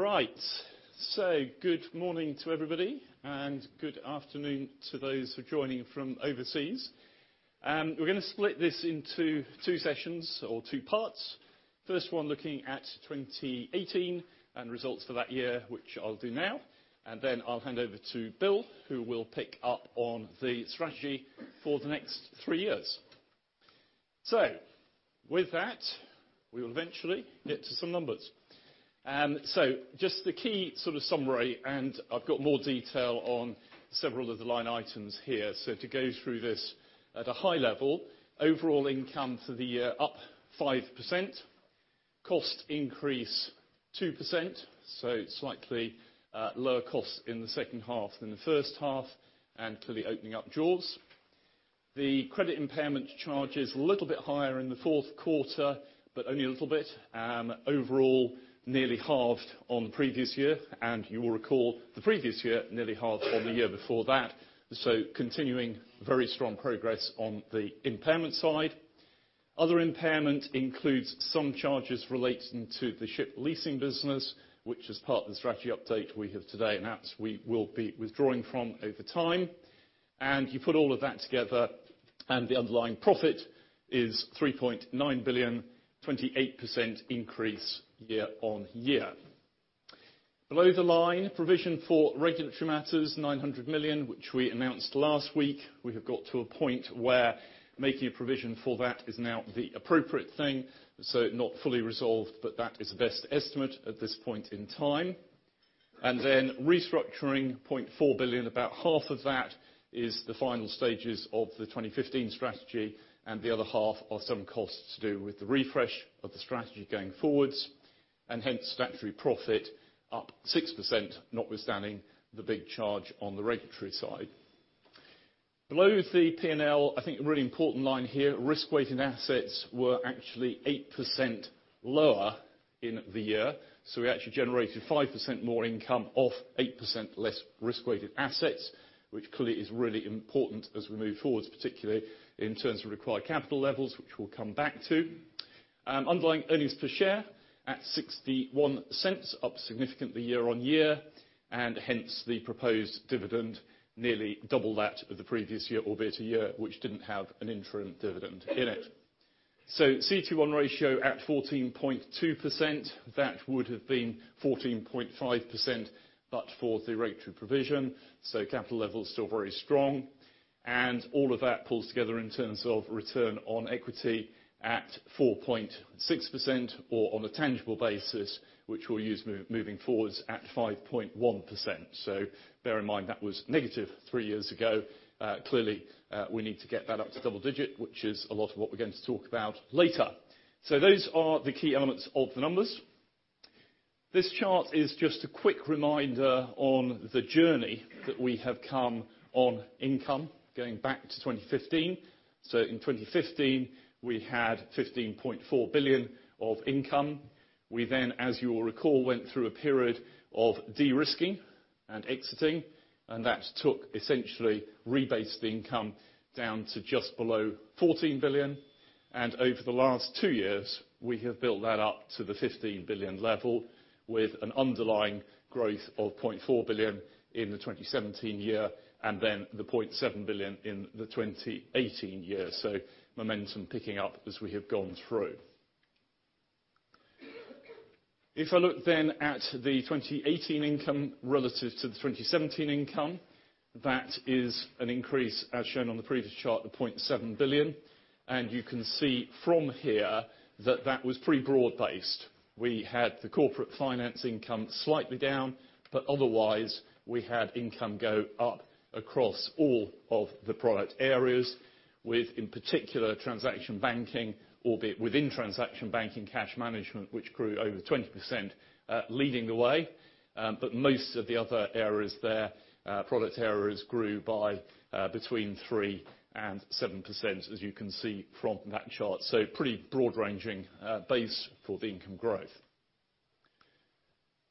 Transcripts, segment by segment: Right. Good morning to everybody, and good afternoon to those who are joining from overseas. We're going to split this into two sessions or two parts. First one looking at 2018 and results for that year, which I'll do now. I'll hand over to Bill, who will pick up on the strategy for the next 3 years. With that, we will eventually get to some numbers. Just the key sort of summary, and I've got more detail on several of the line items here. To go through this at a high level, overall income for the year up 5%, cost increase 2%, slightly lower costs in the second half than the first half, and clearly opening up jaws. The credit impairment charge is a little bit higher in the fourth quarter, but only a little bit. Overall, nearly halved on the previous year. You will recall the previous year nearly halved on the year before that. Continuing very strong progress on the impairment side. Other impairment includes some charges relating to the ship leasing business, which is part of the strategy update we have today announced we will be withdrawing from over time. You put all of that together, and the underlying profit is $3.9 billion, 28% increase year-on-year. Below the line, provision for regulatory matters, $900 million, which we announced last week. We have got to a point where making a provision for that is now the appropriate thing. Not fully resolved, but that is the best estimate at this point in time. Restructuring, $0.4 billion. About half of that is the final stages of the 2015 strategy, and the other half are some costs to do with the refresh of the strategy going forwards, and hence statutory profit up 6%, notwithstanding the big charge on the regulatory side. Below the P&L, I think a really important line here, risk-weighting assets were actually 8% lower in the year. We actually generated 5% more income off 8% less risk-weighted assets, which clearly is really important as we move forwards, particularly in terms of required capital levels, which we'll come back to. Underlying earnings per share at $0.61, up significantly year-on-year. Hence, the proposed dividend nearly double that of the previous year, albeit a year which didn't have an interim dividend in it. CET1 ratio at 14.2%. That would have been 14.5% but for the regulatory provision. Capital levels still very strong. All of that pulls together in terms of return on equity at 4.6%, or on a tangible basis, which we'll use moving forwards, at 5.1%. Bear in mind, that was negative 3 years ago. Clearly, we need to get that up to double digit, which is a lot of what we're going to talk about later. Those are the key elements of the numbers. This chart is just a quick reminder on the journey that we have come on income going back to 2015. In 2015, we had $15.4 billion of income. We, as you will recall, went through a period of de-risking and exiting, and that took essentially rebased the income down to just below $14 billion. Over the last two years, we have built that up to the $15 billion level with an underlying growth of $0.4 billion in 2017, then the $0.7 billion in 2018. Momentum picking up as we have gone through. If I look then at the 2018 income relative to the 2017 income, that is an increase, as shown on the previous chart, of $0.7 billion. You can see from here that that was pretty broad based. We had the corporate finance income slightly down, but otherwise we had income go up across all of the product areas with, in particular, transaction banking, albeit within transaction banking, cash management, which grew over 20% leading the way. Most of the other areas there, product areas grew by between 3% and 7%, as you can see from that chart. Pretty broad ranging base for the income growth.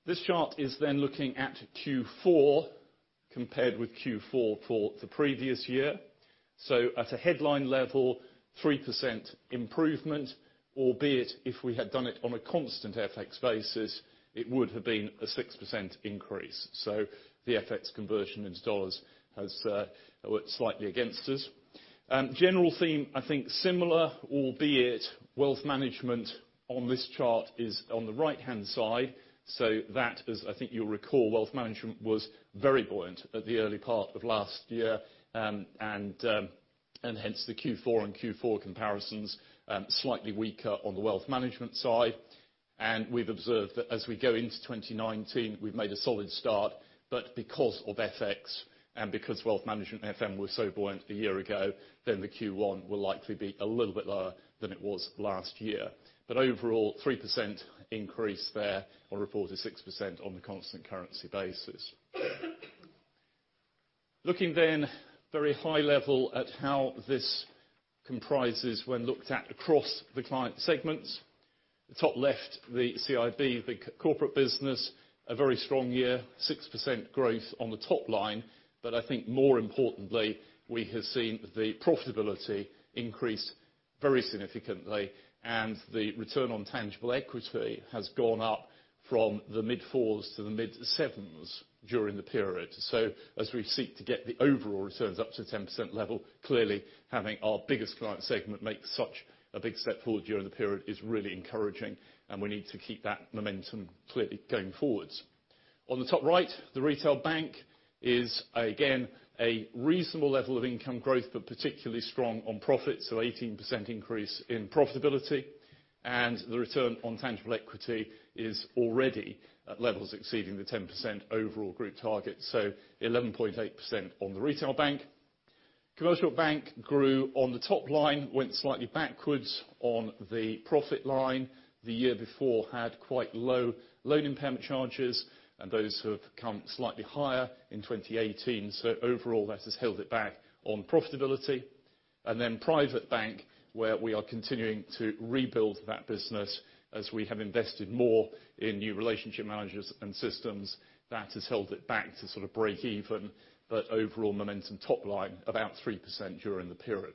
This chart is then looking at Q4 compared with Q4 for the previous year. At a headline level, 3% improvement, albeit if we had done it on a constant FX basis, it would have been a 6% increase. The FX conversion into dollars has worked slightly against us. General theme, I think similar, albeit Wealth Management on this chart is on the right-hand side. That is, I think you'll recall, Wealth Management was very buoyant at the early part of last year. Hence the Q4 on Q4 comparisons slightly weaker on the Wealth Management side. We've observed that as we go into 2019, we've made a solid start, but because of FX and because Wealth Management FM was so buoyant a year ago, then the Q1 will likely be a little bit lower than it was last year. Overall, 3% increase there on report a 6% on the constant currency basis. Looking then very high level at how this comprises when looked at across the client segments. The top left, the CIB, the corporate business, a very strong year, 6% growth on the top line. I think more importantly, we have seen the profitability increase very significantly, and the return on tangible equity has gone up from the mid-fours to the mid-sevens during the period. As we seek to get the overall returns up to 10% level, clearly having our biggest client segment make such a big step forward during the period is really encouraging, we need to keep that momentum clearly going forwards. On the top right, the Retail Bank is again, a reasonable level of income growth, but particularly strong on profit, 18% increase in profitability. The return on tangible equity is already at levels exceeding the 10% overall group target, 11.8% on the Retail Bank. Commercial Bank grew on the top line, went slightly backwards on the profit line. The year before had quite low loan impairment charges, and those have come slightly higher in 2018. Overall, that has held it back on profitability. Private bank, where we are continuing to rebuild that business, as we have invested more in new relationship managers and systems. That has held it back to sort of break even. Overall momentum top line about 3% during the period.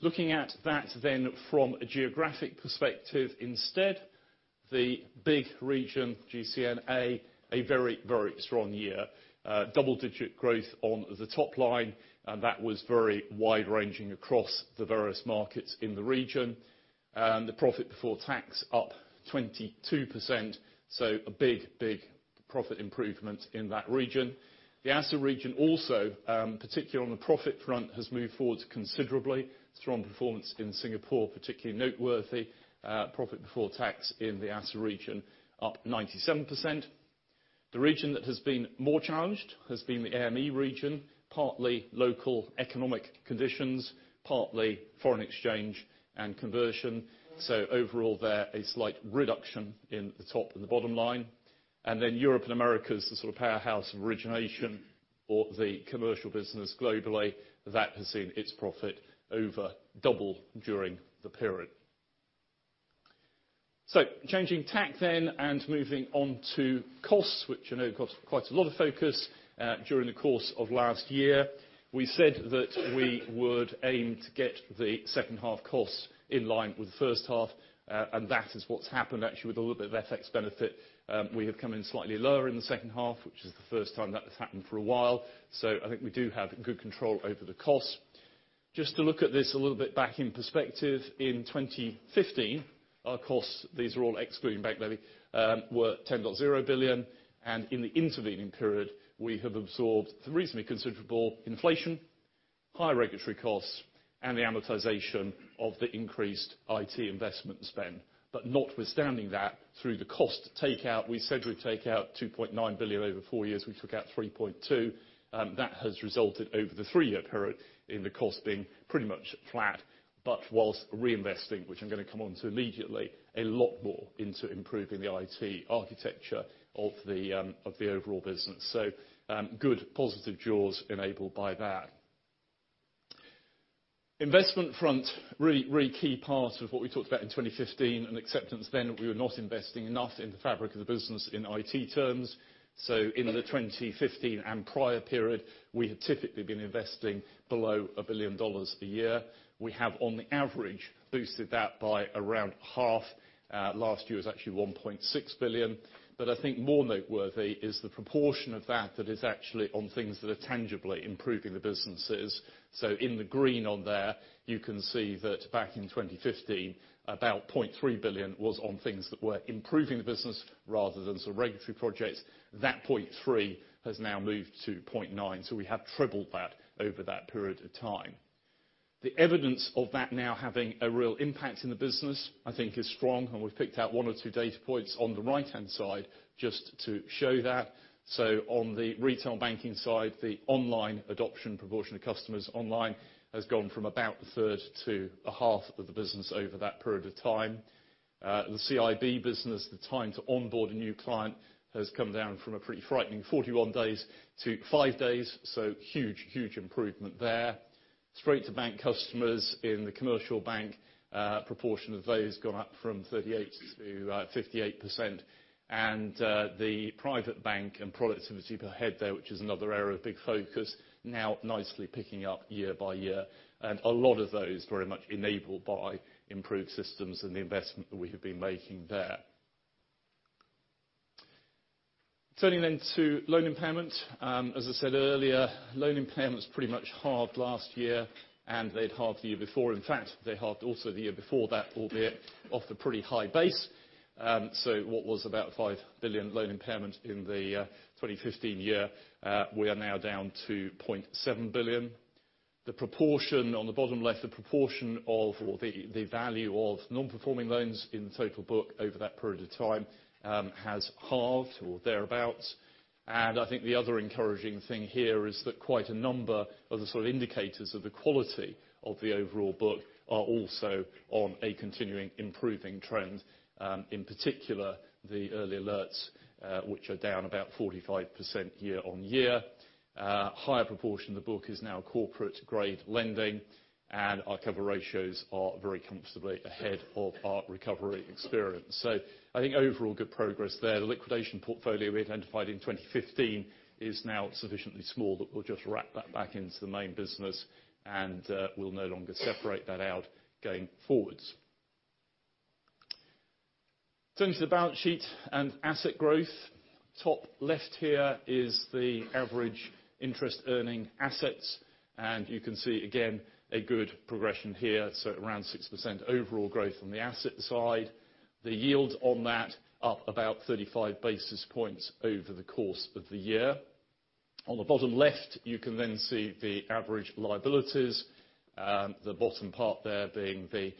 Looking at that from a geographic perspective instead, the big region, GCNA, a very strong year. Double-digit growth on the top line. That was very wide-ranging across the various markets in the region. The profit before tax up 22%, so a big profit improvement in that region. The ASA region also, particularly on the profit front, has moved forward considerably. Strong performance in Singapore, particularly noteworthy. Profit before tax in the ASA region up 97%. The region that has been more challenged has been the AME region, partly local economic conditions, partly foreign exchange and conversion. Overall there, a slight reduction in the top and the bottom line. Europe and Americas, the sort of powerhouse of origination for the commercial business globally, that has seen its profit over double during the period. Changing tack and moving on to costs, which I know got quite a lot of focus during the course of last year. We said that we would aim to get the second half costs in line with the first half, and that is what's happened actually with a little bit of FX benefit. We have come in slightly lower in the second half, which is the first time that has happened for a while. I think we do have good control over the costs. Just to look at this a little bit back in perspective, in 2015, our costs, these are all excluding bank levy, were 10.0 billion, in the intervening period, we have absorbed the reasonably considerable inflation, high regulatory costs and the amortization of the increased IT investment spend. Notwithstanding that, through the cost takeout, we said we'd take out 2.9 billion over four years. We took out 3.2. That has resulted over the three-year period in the cost being pretty much flat, whilst reinvesting, which I'm going to come onto immediately, a lot more into improving the IT architecture of the overall business. Good positive jaws enabled by that. Investment front, really key part of what we talked about in 2015 and acceptance then we were not investing enough in the fabric of the business in IT terms. In the 2015 and prior period, we had typically been investing below GBP 1 billion a year. We have on average boosted that by around half. Last year was actually 1.6 billion. I think more noteworthy is the proportion of that that is actually on things that are tangibly improving the businesses. In the green on there, you can see that back in 2015, about 0.3 billion was on things that were improving the business rather than sort of regulatory projects. That 0.3 has now moved to 0.9. We have tripled that over that period of time. The evidence of that now having a real impact in the business, I think is strong, and we've picked out one or two data points on the right-hand side just to show that. On the retail banking side, the online adoption proportion of customers online has gone from about a third to a half of the business over that period of time. The CIB business, the time to onboard a new client has come down from a pretty frightening 41 days to 5 days, huge improvement there. Straight2Bank customers in the commercial bank, proportion of those gone up from 38% to 58%. The private bank and productivity per head there, which is another area of big focus, now nicely picking up year by year. A lot of those very much enabled by improved systems and the investment that we have been making there. Turning to loan impairment. As I said earlier, loan impairment's pretty much halved last year, and they'd halved the year before. In fact, they halved also the year before that, albeit off the pretty high base. What was about $5 billion loan impairment in the 2015 year, we are now down to $0.7 billion. The proportion on the bottom left, the proportion of the value of non-performing loans in the total book over that period of time has halved or thereabout. I think the other encouraging thing here is that quite a number of the indicators of the quality of the overall book are also on a continuing improving trend. In particular, the early alerts, which are down about 45% year-on-year. A higher proportion of the book is now corporate grade lending, and our cover ratios are very comfortably ahead of our recovery experience. I think overall good progress there. The liquidation portfolio we identified in 2015 is now sufficiently small that we'll just wrap that back into the main business and we'll no longer separate that out going forwards. Turning to the balance sheet and asset growth. Top left here is the average interest earning assets. You can see again a good progression here. Around 6% overall growth on the asset side. The yield on that up about 35 basis points over the course of the year. On the bottom left, you can see the average liabilities. The bottom part there being the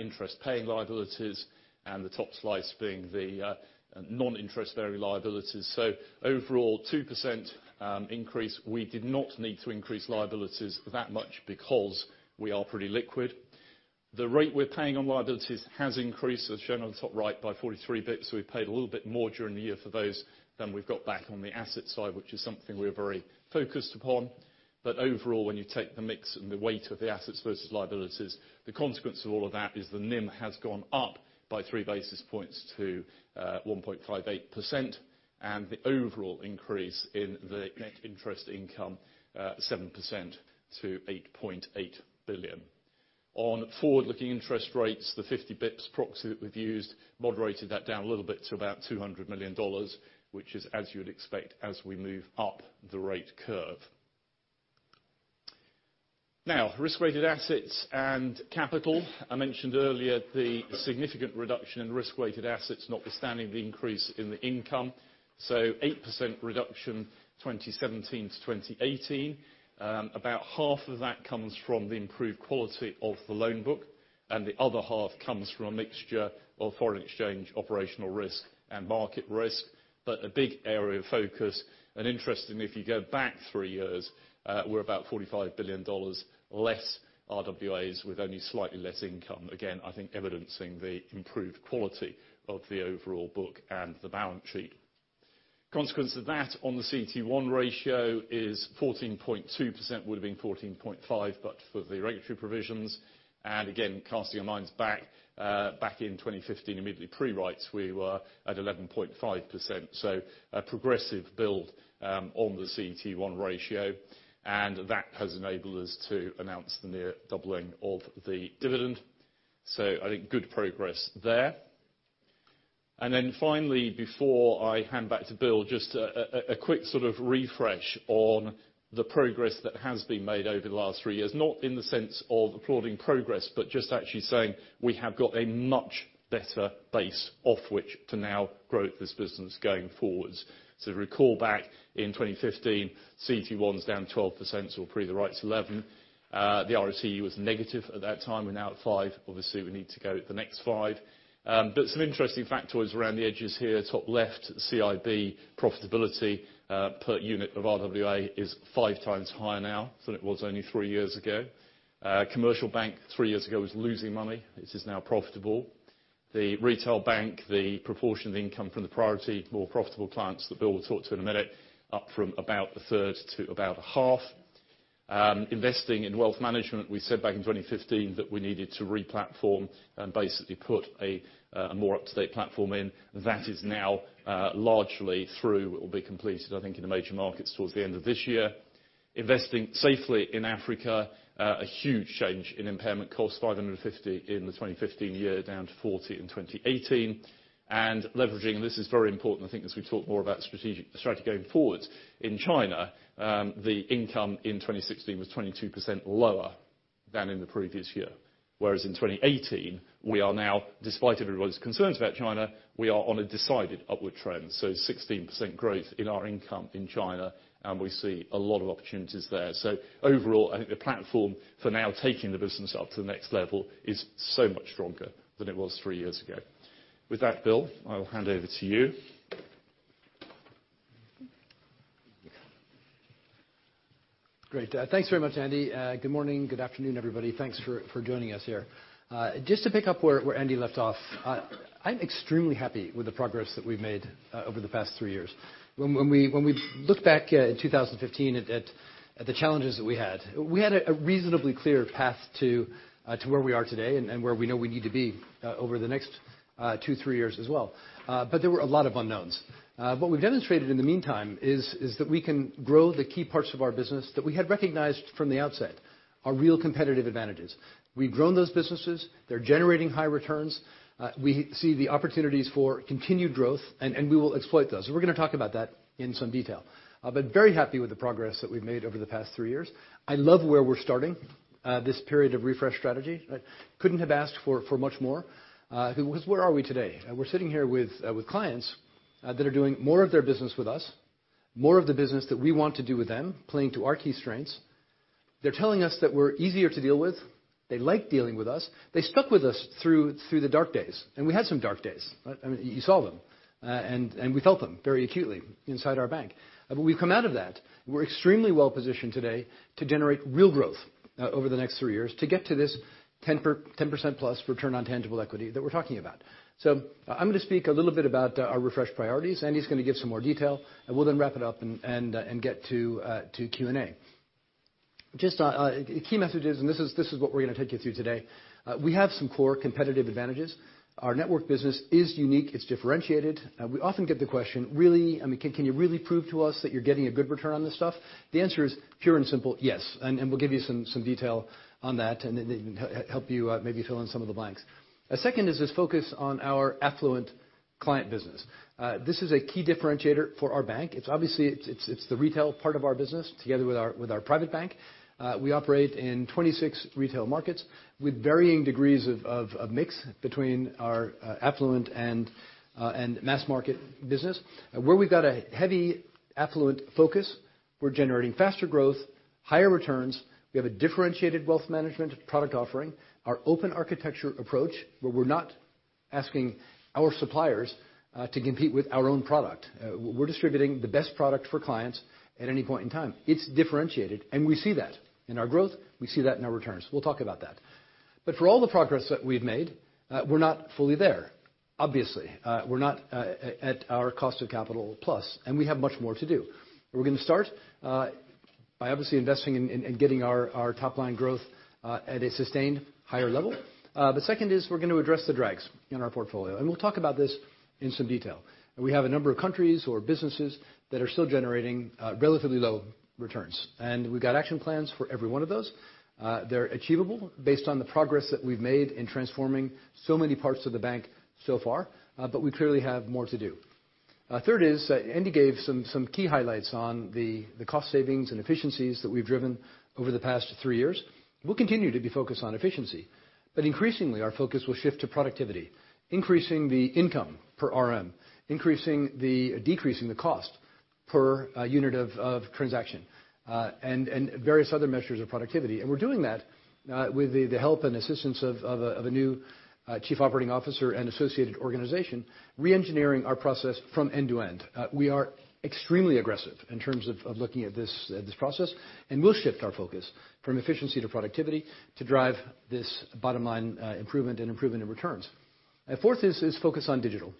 interest paying liabilities and the top slice being the non-interest bearing liabilities. Overall, 2% increase. We did not need to increase liabilities that much because we are pretty liquid. The rate we're paying on liabilities has increased, as shown on the top right, by 43 basis points, we paid a little bit more during the year for those than we've got back on the asset side, which is something we are very focused upon. Overall, when you take the mix and the weight of the assets versus liabilities, the consequence of all of that is the NIM has gone up by 3 basis points to 1.58%, and the overall increase in the net interest income, 7% to $8.8 billion. On forward-looking interest rates, the 50 basis points proxy that we've used moderated that down a little bit to about $200 million, which is as you would expect as we move up the rate curve. Risk-Weighted Assets and capital. I mentioned earlier the significant reduction in Risk-Weighted Assets, notwithstanding the increase in the income. 8% reduction, 2017 to 2018. About half of that comes from the improved quality of the loan book, and the other half comes from a mixture of foreign exchange operational risk and market risk. A big area of focus, and interestingly, if you go back three years, we're about $45 billion less RWAs with only slightly less income. Again, I think evidencing the improved quality of the overall book and the balance sheet. Consequence of that on the CET1 ratio is 14.2%, would've been 14.5%, but for the regulatory provisions. Again, casting our minds back in 2015, immediately pre-rights, we were at 11.5%. A progressive build on the CET1 ratio. That has enabled us to announce the near doubling of the dividend. I think good progress there. Finally, before I hand back to Bill, just a quick refresh on the progress that has been made over the last three years. Not in the sense of applauding progress, but just actually saying we have got a much better base off which to now grow this business going forwards. Recall back in 2015, CET1 is down 12%, pre the rights, 11%. The ROCE was negative at that time, we're now at 5%. Obviously, we need to go at the next 5%. Some interesting factors around the edges here. Top left, CIB profitability per unit of RWA is five times higher now than it was only three years ago. Commercial Bank three years ago was losing money, it is now profitable. The Retail Bank, the proportion of the income from the priority, more profitable clients that Bill will talk to in a minute, up from about a third to about a half. Investing in wealth management, we said back in 2015 that we needed to replatform and basically put a more up-to-date platform in. That is now largely through. It will be completed, I think, in the major markets towards the end of this year. Investing safely in Africa. A huge change in impairment cost $550 in the 2015 year, down to $40 in 2018. Leveraging, this is very important, I think, as we talk more about strategy going forwards. In China, the income in 2016 was 22% lower than in the previous year. In 2018, we are now, despite everybody's concerns about China, we are on a decided upward trend. 16% growth in our income in China, and we see a lot of opportunities there. Overall, I think the platform for now taking the business up to the next level is so much stronger than it was three years ago. With that, Bill, I will hand over to you. Great. Thanks very much, Andy. Good morning, good afternoon, everybody. Thanks for joining us here. Just to pick up where Andy left off, I'm extremely happy with the progress that we've made over the past three years. When we look back at 2015 at the challenges that we had, we had a reasonably clear path to where we are today and where we know we need to be over the next two, three years as well. There were a lot of unknowns. What we've demonstrated in the meantime is that we can grow the key parts of our business that we had recognized from the outset are real competitive advantages. We've grown those businesses. They're generating high returns. We see the opportunities for continued growth, and we will exploit those. We're going to talk about that in some detail. Very happy with the progress that we've made over the past three years. I love where we're starting. This period of refresh strategy, I couldn't have asked for much more. Where are we today? We're sitting here with clients that are doing more of their business with us, more of the business that we want to do with them, playing to our key strengths. They're telling us that we're easier to deal with. They like dealing with us. They stuck with us through the dark days. We had some dark days. I mean, you saw them. We felt them very acutely inside our bank. We've come out of that. We're extremely well-positioned today to generate real growth over the next three years to get to this 10%+ return on tangible equity that we're talking about. I'm going to speak a little bit about our refresh priorities. Andy's going to give some more detail, and we'll then wrap it up and get to Q&A. Just key messages, this is what we're going to take you through today. We have some core competitive advantages. Our network business is unique. It's differentiated. We often get the question, "Can you really prove to us that you're getting a good return on this stuff?" The answer is pure and simple, yes. We'll give you some detail on that and then help you maybe fill in some of the blanks. A second is this focus on our affluent client business. This is a key differentiator for our bank. Obviously, it's the retail part of our business, together with our private bank. We operate in 26 retail markets with varying degrees of mix between our affluent and mass market business. Where we've got a heavy affluent focus, we're generating faster growth, higher returns. We have a differentiated wealth management product offering. Our open architecture approach, where we're not asking our suppliers to compete with our own product. We're distributing the best product for clients at any point in time. It's differentiated, we see that in our growth. We see that in our returns. We'll talk about that. For all the progress that we've made, we're not fully there. Obviously. We're not at our cost of capital plus, we have much more to do. We're going to start by obviously investing in getting our top-line growth at a sustained higher level. The second is we're going to address the drags in our portfolio, and we'll talk about this in some detail. We have a number of countries or businesses that are still generating relatively low returns, and we've got action plans for every one of those. They're achievable based on the progress that we've made in transforming so many parts of the bank so far. We clearly have more to do. Third is, Andy gave some key highlights on the cost savings and efficiencies that we've driven over the past three years. We'll continue to be focused on efficiency, but increasingly our focus will shift to productivity, increasing the income per RM, decreasing the cost per unit of transaction, and various other measures of productivity. We're doing that with the help and assistance of a new Chief Operating Officer and associated organization, re-engineering our process from end to end. We are extremely aggressive in terms of looking at this process, we'll shift our focus from efficiency to productivity to drive this bottom-line improvement and improvement in returns. Fourth is focus on digital.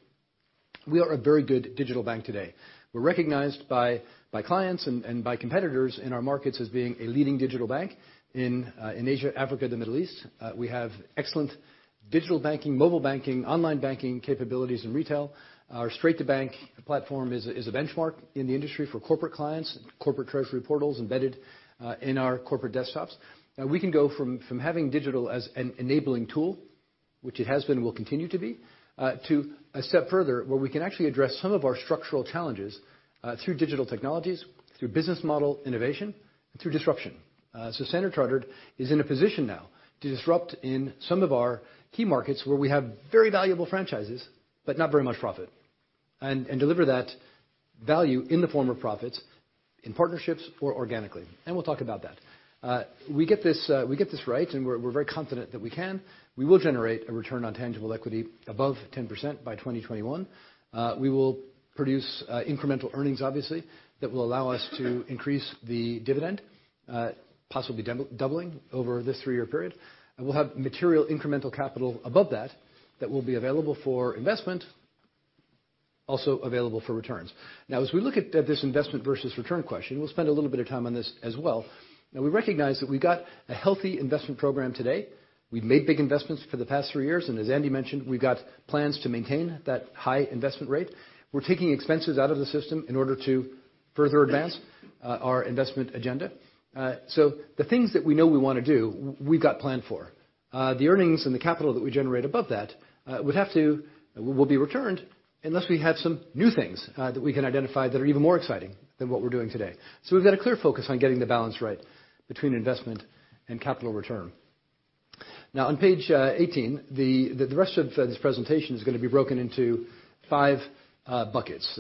We are a very good digital bank today. We're recognized by clients and by competitors in our markets as being a leading digital bank in Asia, Africa & Middle East. We have excellent digital banking, mobile banking, online banking capabilities in retail. Our Straight2Bank platform is a benchmark in the industry for corporate clients, corporate treasury portals embedded in our corporate desktops. We can go from having digital as an enabling tool, which it has been and will continue to be, to a step further, where we can actually address some of our structural challenges through digital technologies, through business model innovation, and through disruption. Standard Chartered is in a position now to disrupt in some of our key markets where we have very valuable franchises, but not very much profit. Deliver that value in the form of profits, in partnerships or organically. We'll talk about that. We get this right, and we're very confident that we can. We will generate a return on tangible equity above 10% by 2021. We will produce incremental earnings, obviously, that will allow us to increase the dividend, possibly doubling over this three-year period. We'll have material incremental capital above that will be available for investment, also available for returns. As we look at this investment versus return question, we'll spend a little bit of time on this as well. We recognize that we've got a healthy investment program today. We've made big investments for the past three years, as Andy mentioned, we've got plans to maintain that high investment rate. We're taking expenses out of the system in order to further advance our investment agenda. The things that we know we want to do, we've got planned for. The earnings and the capital that we generate above that will be returned unless we have some new things that we can identify that are even more exciting than what we're doing today. We've got a clear focus on getting the balance right between investment and capital return. On page 18, the rest of this presentation is going to be broken into five buckets,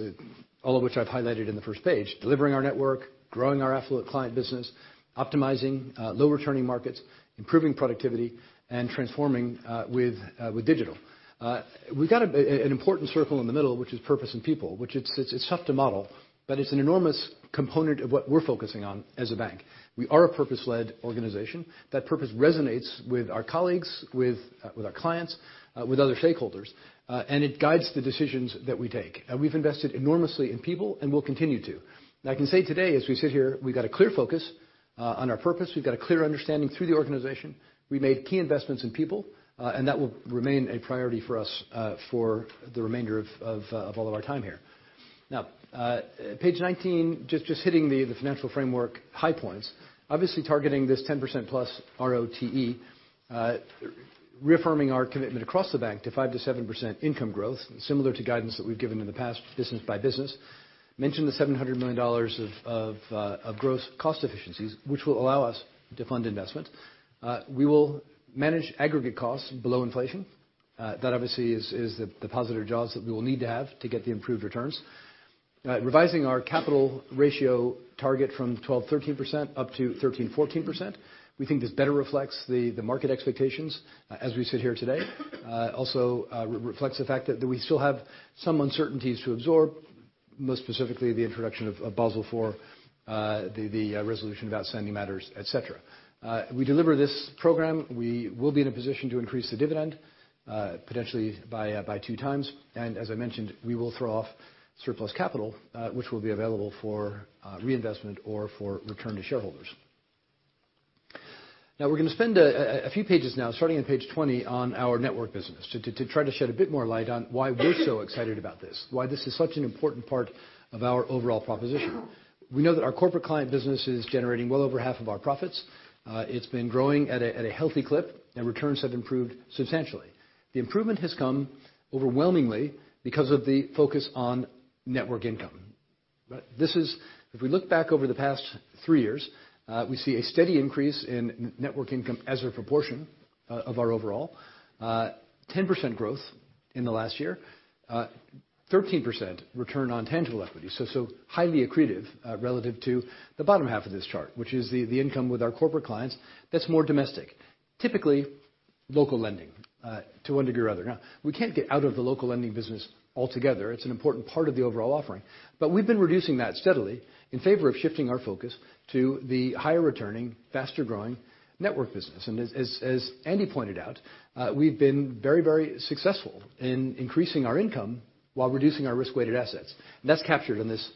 all of which I've highlighted in the first page. Delivering our network, growing our affluent client business, optimizing low-returning markets, improving productivity, and transforming with digital. We've got an important circle in the middle, which is purpose and people, which it's tough to model, but it's an enormous component of what we're focusing on as a bank. We are a purpose-led organization. That purpose resonates with our colleagues, with our clients, with other stakeholders, it guides the decisions that we take. We've invested enormously in people and will continue to. I can say today as we sit here, we've got a clear focus on our purpose. We've got a clear understanding through the organization. We made key investments in people, that will remain a priority for us for the remainder of all of our time here. Page 19, just hitting the financial framework high points. Obviously targeting this 10%+ ROTE, reaffirming our commitment across the bank to 5%-7% income growth, similar to guidance that we've given in the past, business by business. Mentioned the $700 million of gross cost efficiencies, which will allow us to fund investment. We will manage aggregate costs below inflation. That obviously is the positive jobs that we will need to have to get the improved returns. Revising our capital ratio target from 12%-13% up to 13%-14%. We think this better reflects the market expectations as we sit here today. Also reflects the fact that we still have some uncertainties to absorb, most specifically the introduction of Basel IV, the resolution of outstanding matters, et cetera. We deliver this program, we will be in a position to increase the dividend, potentially by two times. As I mentioned, we will throw off surplus capital, which will be available for reinvestment or for return to shareholders. We're going to spend a few pages now, starting on page 20, on our network business to try to shed a bit more light on why we're so excited about this, why this is such an important part of our overall proposition. We know that our corporate client business is generating well over half of our profits. It's been growing at a healthy clip, returns have improved substantially. The improvement has come overwhelmingly because of the focus on network income. If we look back over the past three years, we see a steady increase in network income as a proportion of our overall 10% growth in the last year. 13% return on tangible equity. Highly accretive relative to the bottom half of this chart, which is the income with our corporate clients that's more domestic. Typically, local lending to one degree or other. We can't get out of the local lending business altogether. It's an important part of the overall offering. We've been reducing that steadily in favor of shifting our focus to the higher returning, faster-growing network business. As Andy pointed out, we've been very successful in increasing our income while reducing our risk-weighted assets. That's captured in this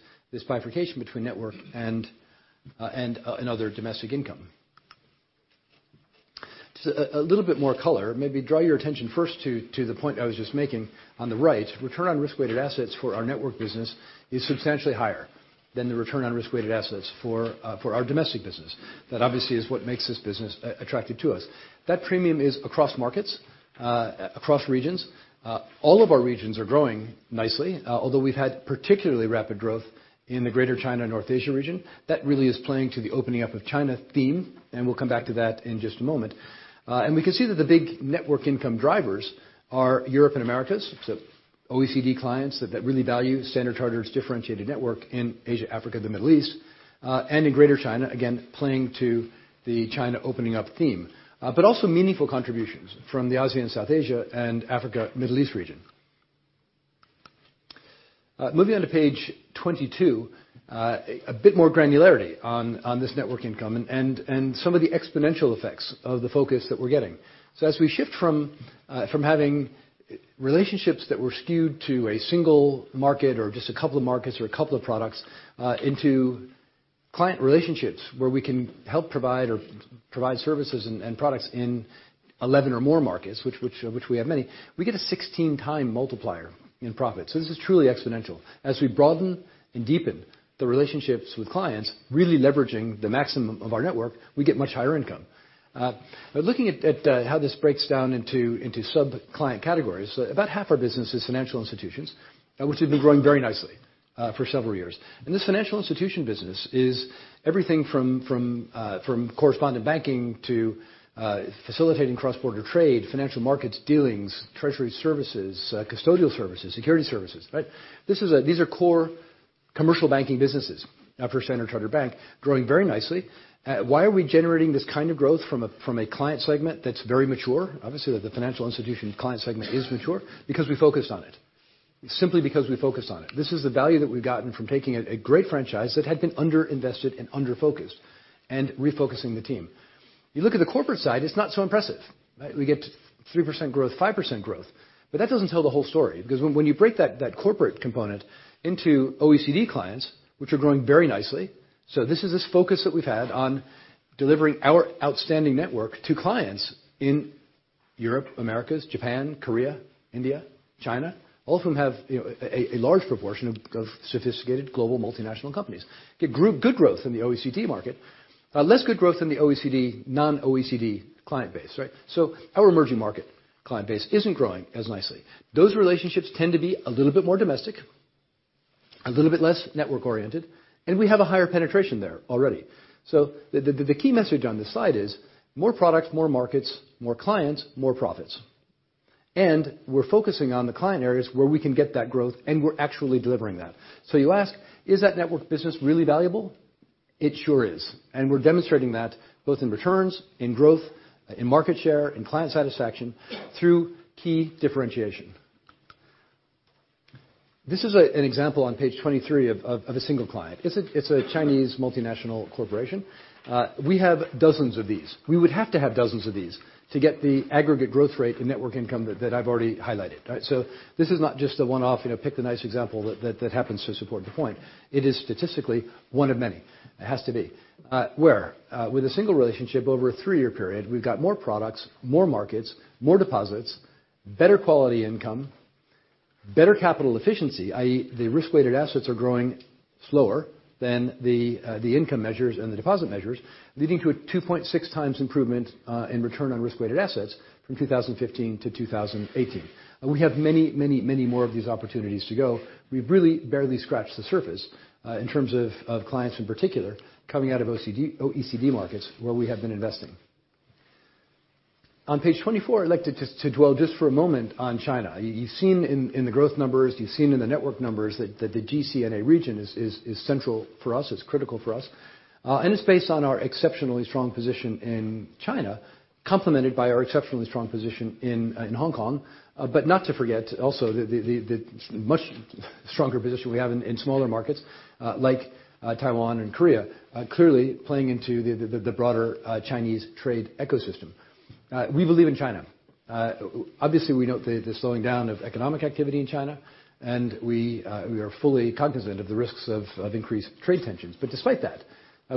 bifurcation between network and other domestic income. A little bit more color, maybe draw your attention first to the point I was just making on the right. Return on risk-weighted assets for our network business is substantially higher than the return on risk-weighted assets for our domestic business. That obviously is what makes this business attractive to us. That premium is across markets, across regions. All of our regions are growing nicely. Although we've had particularly rapid growth in the Greater China and North Asia region. That really is playing to the opening up of China theme, and we will come back to that in just a moment. We can see that the big network income drivers are Europe and Americas. OECD clients that really value Standard Chartered's differentiated network in Asia, Africa, the Middle East, and in Greater China, again, playing to the China opening up theme. Also meaningful contributions from the ASEAN South Asia and Africa, Middle East region. Moving on to page 22, a bit more granularity on this network income and some of the exponential effects of the focus that we're getting. As we shift from having relationships that were skewed to a single market or just a couple of markets or a couple of products into client relationships where we can help provide or provide services and products in 11 or more markets, which we have many, we get a 16x multiplier in profit. This is truly exponential. As we broaden and deepen the relationships with clients, really leveraging the maximum of our network, we get much higher income. Looking at how this breaks down into sub-client categories, about half our business is financial institutions, which have been growing very nicely for several years. This Financial Markets institution business is everything from correspondent banking to facilitating cross-border trade, Financial Markets dealings, treasury services, custodial services, securities services, right? These are core commercial banking businesses for Standard Chartered Bank growing very nicely. Why are we generating this kind of growth from a client segment that's very mature? Obviously, the financial institution client segment is mature. Because we focused on it. Simply because we focused on it. This is the value that we've gotten from taking a great franchise that had been underinvested and under-focused and refocusing the team. You look at the corporate side, it's not so impressive, right? We get 3% growth, 5% growth. That doesn't tell the whole story because when you break that corporate component into OECD clients, which are growing very nicely. This is this focus that we've had on delivering our outstanding network to clients in Europe, Americas, Japan, Korea, India, China, all of whom have a large proportion of sophisticated global multinational companies. Get good growth in the OECD market. Less good growth in the non-OECD client base, right? Our emerging market client base isn't growing as nicely. Those relationships tend to be a little bit more domestic, a little bit less network-oriented, and we have a higher penetration there already. The key message on this slide is more products, more markets, more clients, more profits. We're focusing on the client areas where we can get that growth, and we're actually delivering that. You ask, is that network business really valuable? It sure is. We're demonstrating that both in returns, in growth, in market share, in client satisfaction through key differentiation. This is an example on page 23 of a single client. It's a Chinese multinational corporation. We have dozens of these. We would have to have dozens of these to get the aggregate growth rate in network income that I've already highlighted. This is not just a one-off, pick the nice example that happens to support the point. It is statistically one of many. It has to be. Where with a single relationship over a three-year period, we've got more products, more markets, more deposits, better quality income, better capital efficiency, i.e., the risk-weighted assets are growing slower than the income measures and the deposit measures, leading to a 2.6 times improvement in return on risk-weighted assets from 2015 to 2018. We have many more of these opportunities to go. We've really barely scratched the surface in terms of clients in particular coming out of OECD markets where we have been investing. On page 24, I'd like to dwell just for a moment on China. You've seen in the growth numbers, you've seen in the network numbers that the GCNA region is central for us, it's critical for us. It's based on our exceptionally strong position in China, complemented by our exceptionally strong position in Hong Kong. Not to forget also the much stronger position we have in smaller markets like Taiwan and Korea, clearly playing into the broader Chinese trade ecosystem. We believe in China. Obviously, we note the slowing down of economic activity in China, and we are fully cognizant of the risks of increased trade tensions. Despite that,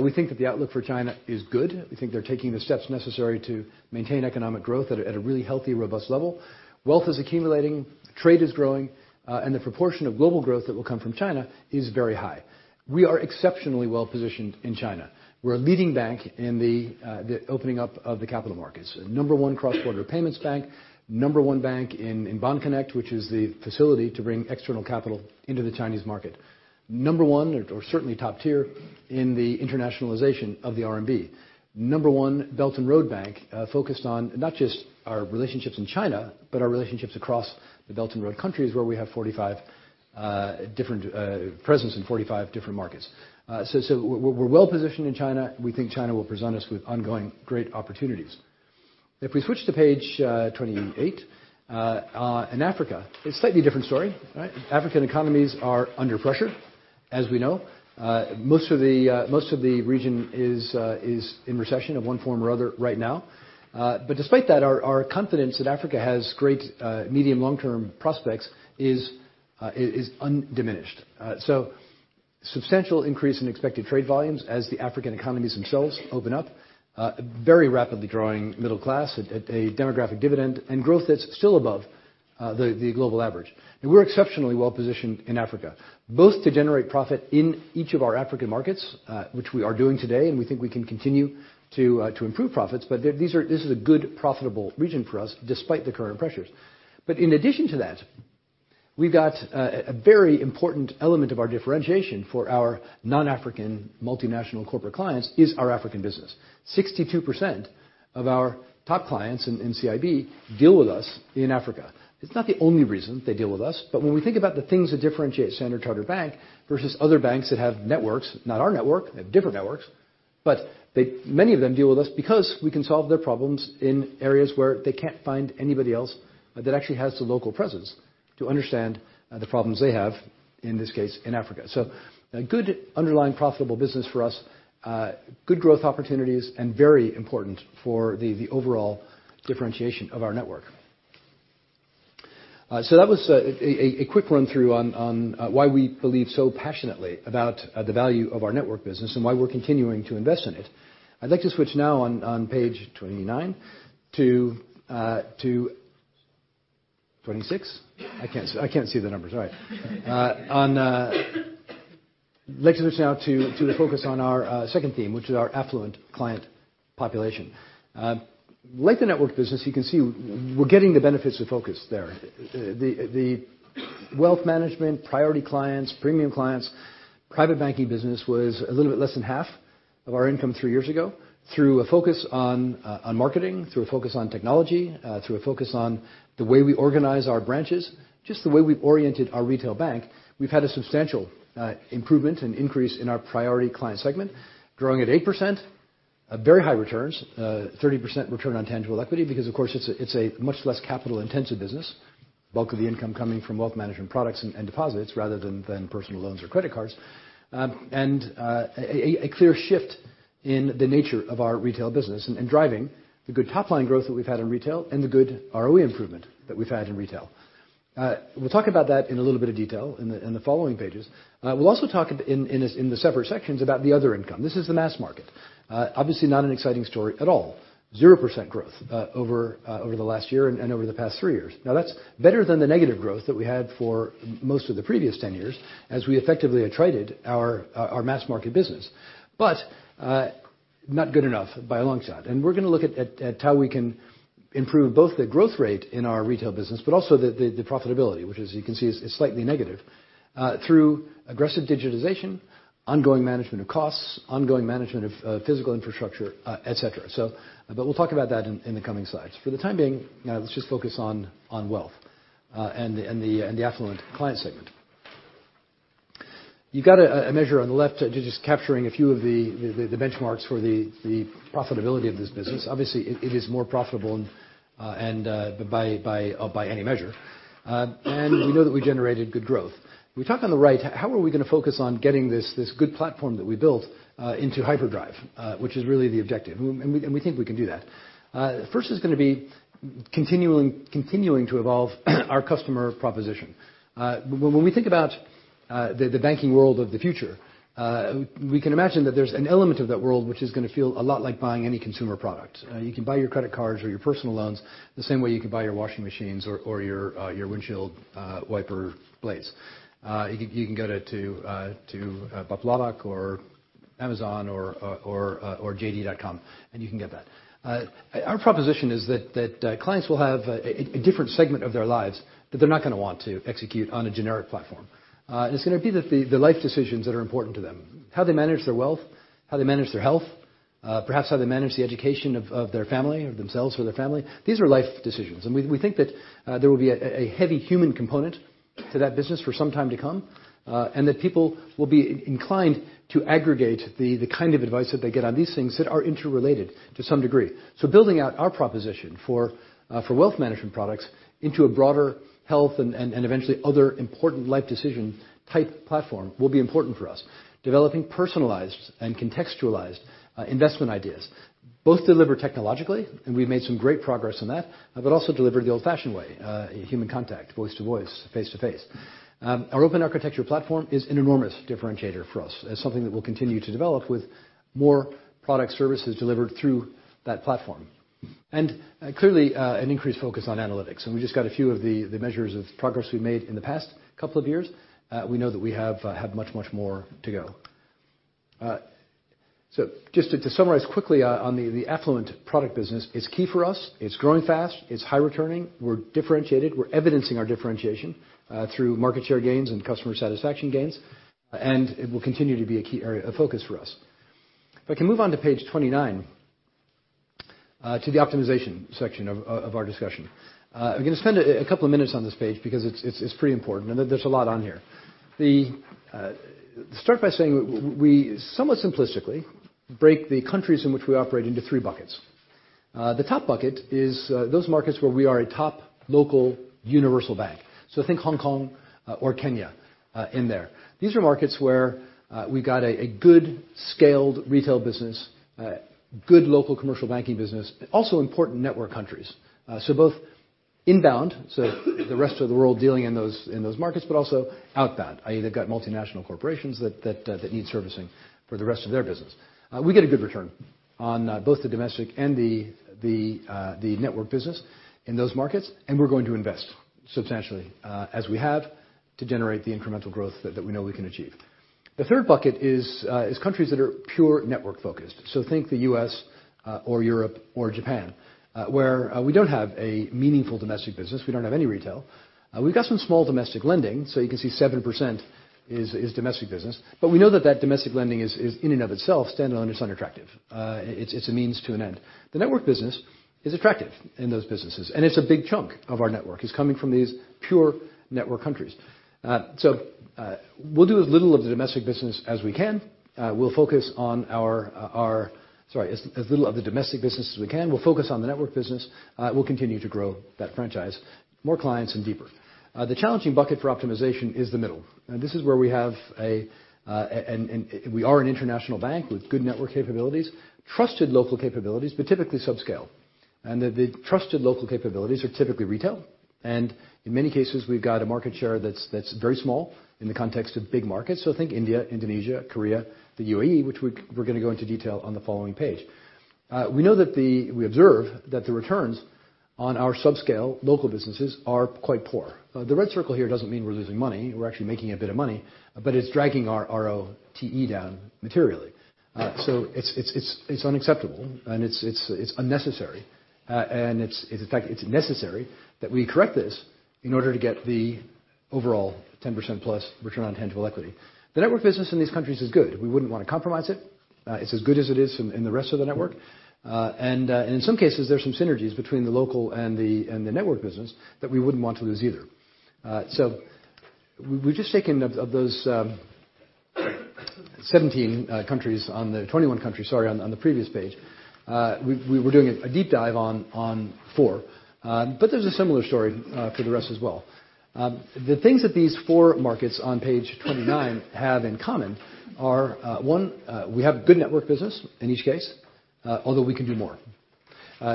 we think that the outlook for China is good. We think they're taking the steps necessary to maintain economic growth at a really healthy, robust level. Wealth is accumulating, trade is growing, and the proportion of global growth that will come from China is very high. We are exceptionally well-positioned in China. We're a leading bank in the opening up of the capital markets. Number one cross-border payments bank. Number one bank in Bond Connect, which is the facility to bring external capital into the Chinese market. Number one, or certainly top tier, in the internationalization of the RMB. Number one Belt and Road bank, focused on not just our relationships in China, but our relationships across the Belt and Road countries, where we have presence in 45 different markets. We're well-positioned in China. We think China will present us with ongoing great opportunities. If we switch to page 28. In Africa, a slightly different story, right? African economies are under pressure, as we know. Most of the region is in recession of one form or other right now. Despite that, our confidence that Africa has great medium, long-term prospects is undiminished. Substantial increase in expected trade volumes as the African economies themselves open up. Very rapidly growing middle class at a demographic dividend, and growth that's still above the global average. We're exceptionally well-positioned in Africa, both to generate profit in each of our African markets, which we are doing today, and we think we can continue to improve profits. This is a good, profitable region for us, despite the current pressures. In addition to that, we've got a very important element of our differentiation for our non-African multinational corporate clients is our African business. 62% of our top clients in CIB deal with us in Africa. It's not the only reason they deal with us, but when we think about the things that differentiate Standard Chartered Bank versus other banks that have networks, not our network, they have different networks, but many of them deal with us because we can solve their problems in areas where they can't find anybody else that actually has the local presence to understand the problems they have, in this case, in Africa. A good underlying profitable business for us. Good growth opportunities, and very important for the overall differentiation of our network. That was a quick run-through on why we believe so passionately about the value of our network business and why we're continuing to invest in it. I'd like to switch now on page 29 to 26? I can't see the numbers. Sorry. I'd like to switch now to the focus on our second theme, which is our affluent client population. Like the network business, you can see we're getting the benefits of focus there. The wealth management priority clients, premium clients, private banking business was a little bit less than half of our income three years ago. Through a focus on marketing, through a focus on technology, through a focus on the way we organize our branches, just the way we've oriented our retail bank, we've had a substantial improvement and increase in our priority client segment, growing at 8%. Very high returns, 30% return on tangible equity, because of course it's a much less capital-intensive business. Bulk of the income coming from wealth management products and deposits rather than personal loans or credit cards. A clear shift in the nature of our retail business and driving the good top-line growth that we've had in retail and the good ROE improvement that we've had in retail. We'll talk about that in a little bit of detail in the following pages. We'll also talk in the separate sections about the other income. This is the mass market. Obviously not an exciting story at all. 0% growth over the last year and over the past three years. Now, that's better than the negative growth that we had for most of the previous 10 years as we effectively attrited our mass market business. Not good enough by a long shot. We're going to look at how we can improve both the growth rate in our retail business, but also the profitability, which as you can see is slightly negative, through aggressive digitization, ongoing management of costs, ongoing management of physical infrastructure, et cetera. We'll talk about that in the coming slides. For the time being, let's just focus on wealth and the affluent client segment. You got a measure on the left just capturing a few of the benchmarks for the profitability of this business. Obviously, it is more profitable by any measure. We know that we generated good growth. We talk on the right, how are we going to focus on getting this good platform that we built into hyperdrive? Which is really the objective. We think we can do that. First is going to be continuing to evolve our customer proposition. When we think about the banking world of the future, we can imagine that there's an element of that world which is going to feel a lot like buying any consumer product. You can buy your credit cards or your personal loans the same way you can buy your washing machines or your windshield wiper blades. You can go to [Bubblalic] or Amazon or .com, and you can get that. Our proposition is that clients will have a different segment of their lives that they're not going to want to execute on a generic platform. It's going to be the life decisions that are important to them, how they manage their wealth, how they manage their health, perhaps how they manage the education of their family or themselves or their family. These are life decisions. We think that there will be a heavy human component to that business for some time to come, and that people will be inclined to aggregate the kind of advice that they get on these things that are interrelated to some degree. Building out our proposition for wealth management products into a broader health and eventually other important life decision type platform will be important for us. Developing personalized and contextualized investment ideas, both delivered technologically, and we've made some great progress on that, but also delivered the old-fashioned way, human contact, voice-to-voice, face-to-face. Our open architecture platform is an enormous differentiator for us as something that we'll continue to develop with more product services delivered through that platform. Clearly, an increased focus on analytics. We just got a few of the measures of progress we've made in the past couple of years. We know that we have much, much more to go. Just to summarize quickly on the affluent product business, it's key for us, it's growing fast, it's high returning. We're differentiated. We're evidencing our differentiation through market share gains and customer satisfaction gains, and it will continue to be a key area of focus for us. If I can move on to page 29, to the optimization section of our discussion. I'm going to spend a couple of minutes on this page because it's pretty important and there's a lot on here. Start by saying we somewhat simplistically break the countries in which we operate into three buckets. The top bucket is those markets where we are a top local universal bank. Think Hong Kong or Kenya in there. These are markets where we've got a good scaled retail business, good local commercial banking business, also important network countries. Both inbound, so the rest of the world dealing in those markets, but also outbound, i.e., they've got multinational corporations that need servicing for the rest of their business. We get a good return on both the domestic and the network business in those markets, and we're going to invest substantially as we have to generate the incremental growth that we know we can achieve. The third bucket is countries that are pure network-focused. Think the U.S. or Europe or Japan, where we don't have a meaningful domestic business. We don't have any retail. We've got some small domestic lending. You can see 7% is domestic business. We know that that domestic lending is in and of itself standalone is unattractive. It is a means to an end. The network business is attractive in those businesses, and it is a big chunk of our network is coming from these pure network countries. We will do as little of the domestic business as we can. We will focus on the network business. We will continue to grow that franchise, more clients and deeper. The challenging bucket for optimization is the middle. This is where we have an international bank with good network capabilities, trusted local capabilities, but typically subscale. The trusted local capabilities are typically retail. In many cases, we have got a market share that is very small in the context of big markets. Think India, Indonesia, Korea, the UAE, which we are going to go into detail on the following page. We know that we observe that the returns on our subscale local businesses are quite poor. The red circle here does not mean we are losing money. We are actually making a bit of money, but it is dragging our ROTE down materially. It is unacceptable and it is unnecessary. In fact, it is necessary that we correct this in order to get the overall 10% plus return on tangible equity. The network business in these countries is good. We would not want to compromise it. It is as good as it is in the rest of the network. In some cases, there is some synergies between the local and the network business that we would not want to lose either. We have just taken of those 17 countries, 21 countries, sorry, on the previous page. We were doing a deep dive on four. There is a similar story for the rest as well. The things that these four markets on page 29 have in common are, one, we have good network business in each case, although we can do more.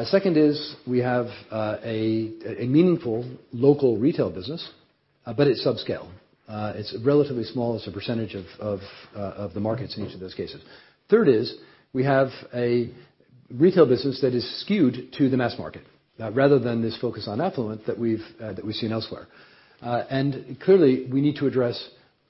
Second is we have a meaningful local retail business, but it is subscale. It is relatively small as a percentage of the markets in each of those cases. Third is we have a retail business that is skewed to the mass market rather than this focus on affluent that we have seen elsewhere. Clearly, we need to address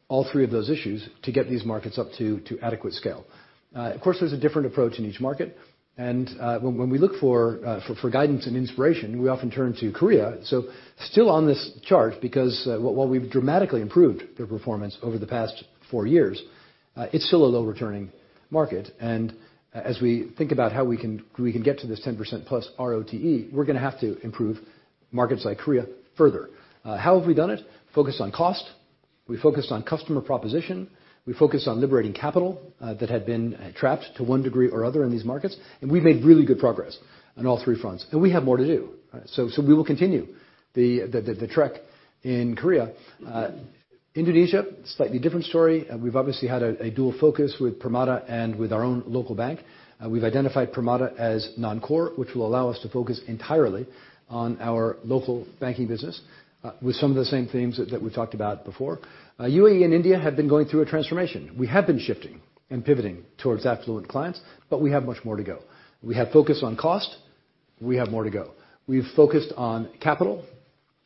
all three of those issues to get these markets up to adequate scale. Of course, there is a different approach in each market. When we look for guidance and inspiration, we often turn to Korea. Still on this chart, because while we have dramatically improved their performance over the past four years, it is still a low-returning market. As we think about how we can get to this 10% plus ROTE, we are going to have to improve markets like Korea further. How have we done it? Focused on cost. We focused on customer proposition. We focused on liberating capital that had been trapped to one degree or other in these markets, and we made really good progress on all three fronts, and we have more to do. We will continue the trek in Korea. Indonesia, slightly different story. We have obviously had a dual focus with Permata and with our own local bank. We have identified Permata as non-core, which will allow us to focus entirely on our local banking business with some of the same themes that we talked about before. UAE and India have been going through a transformation. We have been shifting and pivoting towards affluent clients, but we have much more to go. We have focused on cost. We have more to go. We've focused on capital.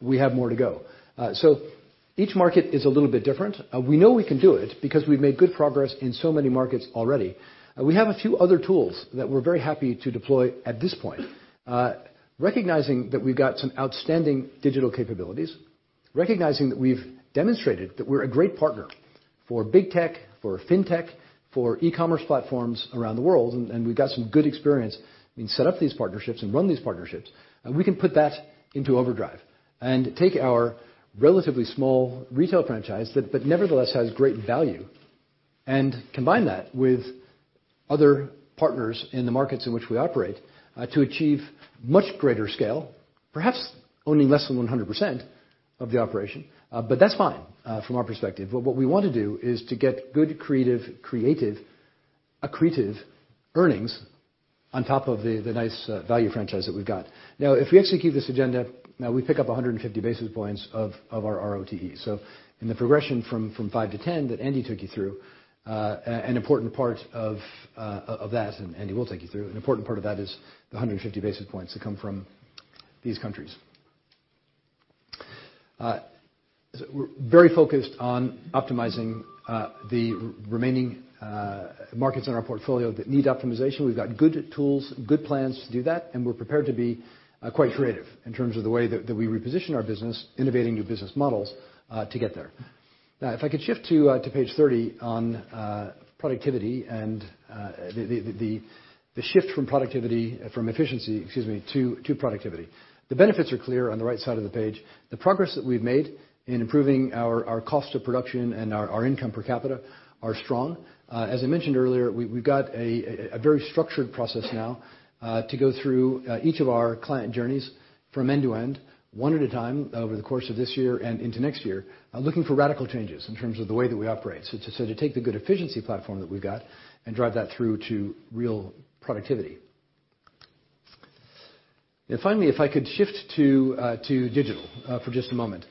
We have more to go. Each market is a little bit different. We know we can do it because we've made good progress in so many markets already. We have a few other tools that we're very happy to deploy at this point. Recognizing that we've got some outstanding digital capabilities, recognizing that we've demonstrated that we're a great partner for big tech, for fintech, for e-commerce platforms around the world, and we've got some good experience in setting up these partnerships and running these partnerships. We can put that into overdrive and take our relatively small retail franchise that nevertheless has great value, and combine that with other partners in the markets in which we operate to achieve much greater scale, perhaps owning less than 100% of the operation, but that's fine from our perspective. If we execute this agenda, we pick up 150 basis points of our ROTE. In the progression from five to 10 that Andy took you through, an important part of that, and Andy will take you through, an important part of that is the 150 basis points that come from these countries. We're very focused on optimizing the remaining markets in our portfolio that need optimization. We've got good tools and good plans to do that, and we're prepared to be quite creative in terms of the way that we reposition our business, innovating new business models to get there. If I could shift to page 30 on productivity and the shift from efficiency to productivity. The benefits are clear on the right side of the page. The progress that we've made in improving our cost of production and our income per capita are strong. As I mentioned earlier, we've got a very structured process now to go through each of our client journeys from end to end, one at a time over the course of this year and into next year, looking for radical changes in terms of the way that we operate. To take the good efficiency platform that we've got and drive that through to real productivity. Finally, if I could shift to digital for just a moment.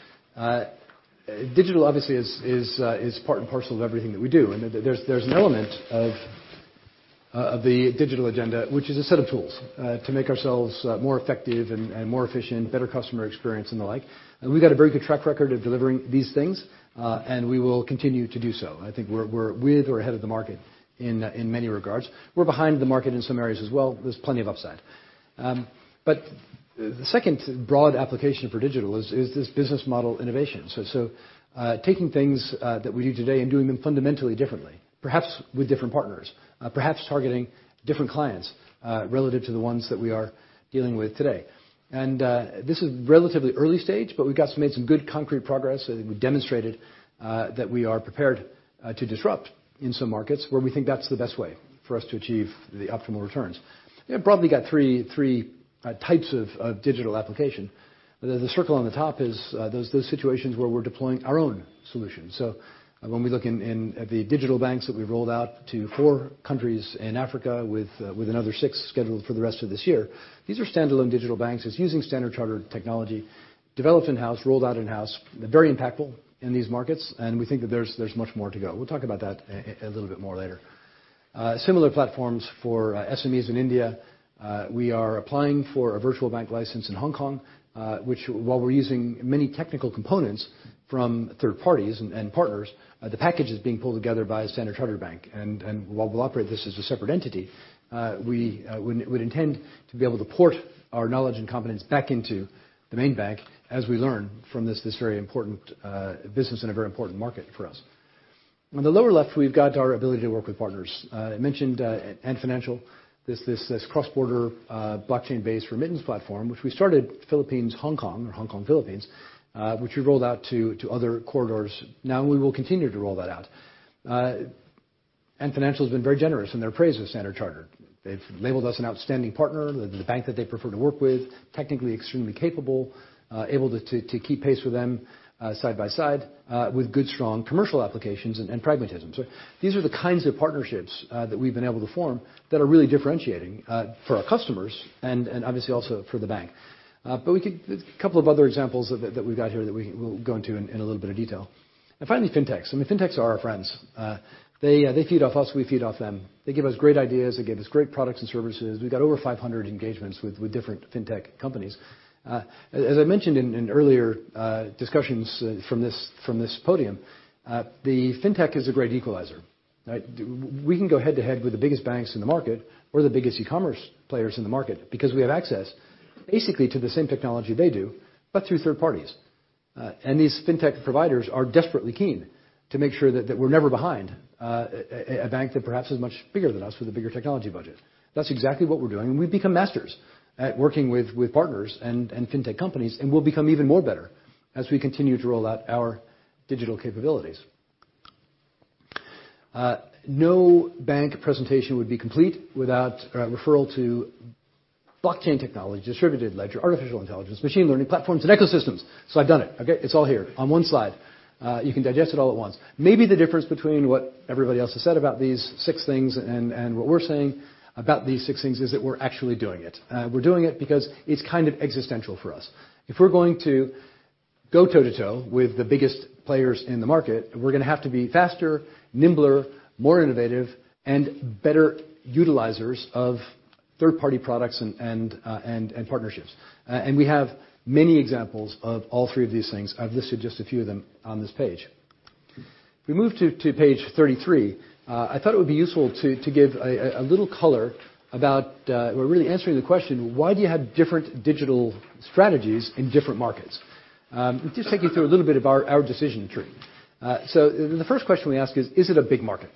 Digital obviously is part and parcel of everything that we do, and there's an element of the digital agenda, which is a set of tools to make ourselves more effective and more efficient, better customer experience and the like. We've got a very good track record of delivering these things, and we will continue to do so. I think we're with or ahead of the market in many regards. We're behind the market in some areas as well. There's plenty of upside. The second broad application for digital is this business model innovation. Taking things that we do today and doing them fundamentally differently, perhaps with different partners, perhaps targeting different clients relative to the ones that we are dealing with today. This is relatively early stage, but we've made some good concrete progress. I think we've demonstrated that we are prepared to disrupt in some markets where we think that's the best way for us to achieve the optimal returns. Probably got 3 types of digital application. The circle on the top is those situations where we're deploying our own solution. When we look at the digital banks that we've rolled out to four countries in Africa with another six scheduled for the rest of this year, these are standalone digital banks. It's using Standard Chartered technology, developed in-house, rolled out in-house, very impactful in these markets, and we think that there's much more to go. We'll talk about that a little bit more later. Similar platforms for SMEs in India. We are applying for a virtual bank license in Hong Kong, which while we're using many technical components from third parties and partners, the package is being pulled together by Standard Chartered Bank. While we'll operate this as a separate entity, we would intend to be able to port our knowledge and competence back into the main bank as we learn from this very important business in a very important market for us. On the lower left, we've got our ability to work with partners. I mentioned Ant Financial, this cross-border blockchain-based remittance platform, which we started Philippines-Hong Kong or Hong Kong-Philippines, which we rolled out to other corridors. We will continue to roll that out. Ant Financial has been very generous in their praise of Standard Chartered. They've labeled us an outstanding partner, the bank that they prefer to work with, technically extremely capable, able to keep pace with them side by side with good, strong commercial applications and pragmatism. These are the kinds of partnerships that we've been able to form that are really differentiating for our customers and obviously also for the bank. A couple of other examples that we've got here that we'll go into in a little bit of detail. Finally, fintechs. I mean, fintechs are our friends. They feed off us. We feed off them. They give us great ideas. They give us great products and services. We've got over 500 engagements with different fintech companies. As I mentioned in earlier discussions from this podium, the fintech is a great equalizer, right? We can go head to head with the biggest banks in the market or the biggest e-commerce players in the market because we have access basically to the same technology they do, but through third parties. These fintech providers are desperately keen to make sure that we're never behind a bank that perhaps is much bigger than us with a bigger technology budget. That's exactly what we're doing, and we've become masters at working with partners and fintech companies, and we'll become even more better as we continue to roll out our digital capabilities. No bank presentation would be complete without a referral to blockchain technology, distributed ledger, artificial intelligence, machine learning platforms, and ecosystems. I've done it, okay? It's all here on one slide. You can digest it all at once. Maybe the difference between what everybody else has said about these six things and what we're saying about these six things is that we're actually doing it. We're doing it because it's kind of existential for us. If we're going to go toe-to-toe with the biggest players in the market. We're going to have to be faster, nimbler, more innovative, and better utilizers of third-party products and partnerships. We have many examples of all three of these things. I've listed just a few of them on this page. If we move to page 33, I thought it would be useful to give a little color. We're really answering the question, why do you have different digital strategies in different markets? Just take you through a little bit of our decision tree. The first question we ask is it a big market?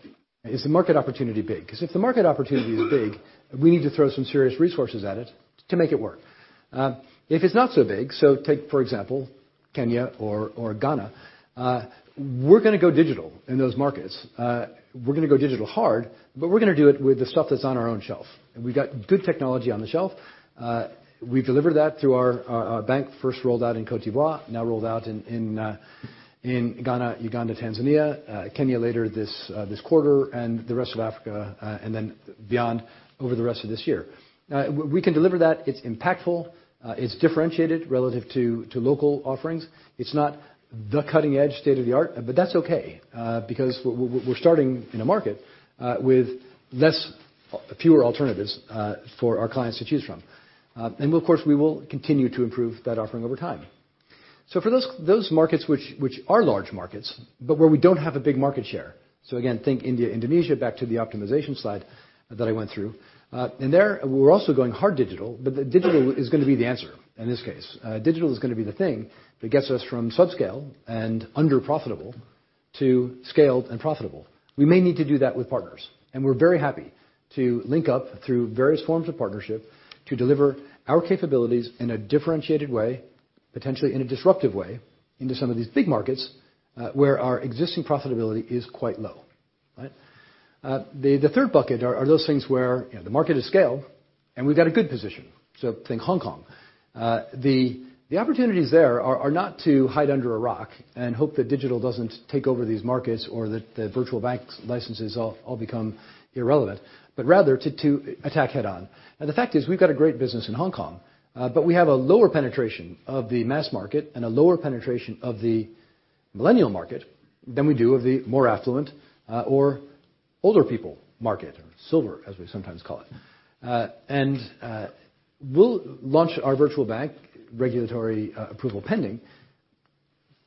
Is the market opportunity big? Because if the market opportunity is big, we need to throw some serious resources at it to make it work. If it's not so big, take, for example, Kenya or Ghana, we're going to go digital in those markets. We're going to go digital hard, but we're going to do it with the stuff that's on our own shelf. We've got good technology on the shelf. We've delivered that through our bank, first rolled out in Côte d'Ivoire, now rolled out in Ghana, Uganda, Tanzania, Kenya later this quarter, the rest of Africa, then beyond, over the rest of this year. We can deliver that. It's impactful. It's differentiated relative to local offerings. It's not the cutting-edge state of the art, but that's okay, because we're starting in a market with fewer alternatives for our clients to choose from. Of course, we will continue to improve that offering over time. For those markets which are large markets, but where we don't have a big market share, again, think India, Indonesia, back to the optimization slide that I went through. There, we're also going hard digital, but digital is going to be the answer in this case. Digital is going to be the thing that gets us from subscale and under profitable to scaled and profitable. We may need to do that with partners. We're very happy to link up through various forms of partnership to deliver our capabilities in a differentiated way, potentially in a disruptive way, into some of these big markets where our existing profitability is quite low. Right? The third bucket are those things where the market is scaled and we've got a good position. Think Hong Kong. The opportunities there are not to hide under a rock and hope that digital doesn't take over these markets or that the virtual banks licenses all become irrelevant, but rather to attack head on. The fact is, we've got a great business in Hong Kong. We have a lower penetration of the mass market and a lower penetration of the millennial market than we do of the more affluent or older people market, or silver, as we sometimes call it. We'll launch our virtual bank regulatory approval pending,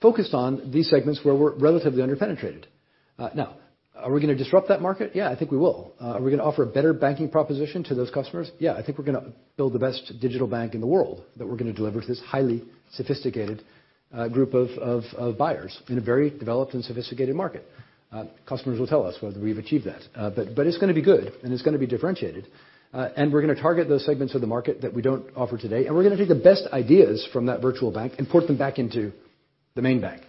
focused on these segments where we're relatively under-penetrated. Are we going to disrupt that market? Yeah, I think we will. Are we going to offer a better banking proposition to those customers? Yeah, I think we're going to build the best digital bank in the world that we're going to deliver to this highly sophisticated group of buyers in a very developed and sophisticated market. Customers will tell us whether we've achieved that. It's going to be good and it's going to be differentiated. We're going to target those segments of the market that we don't offer today, and we're going to take the best ideas from that virtual bank and port them back into the main bank.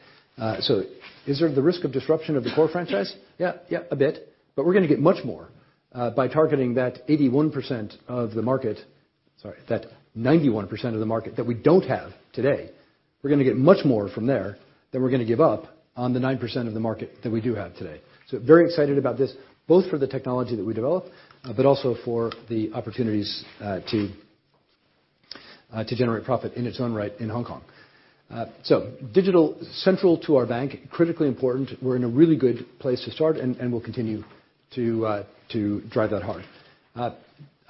Is there the risk of disruption of the core franchise? Yeah, a bit. But we're going to get much more by targeting that 81% of the market. Sorry, that 91% of the market that we don't have today. We're going to get much more from there than we're going to give up on the 9% of the market that we do have today. Very excited about this, both for the technology that we develop, but also for the opportunities to generate profit in its own right in Hong Kong. Digital, central to our bank, critically important. We're in a really good place to start, and we'll continue to drive that hard.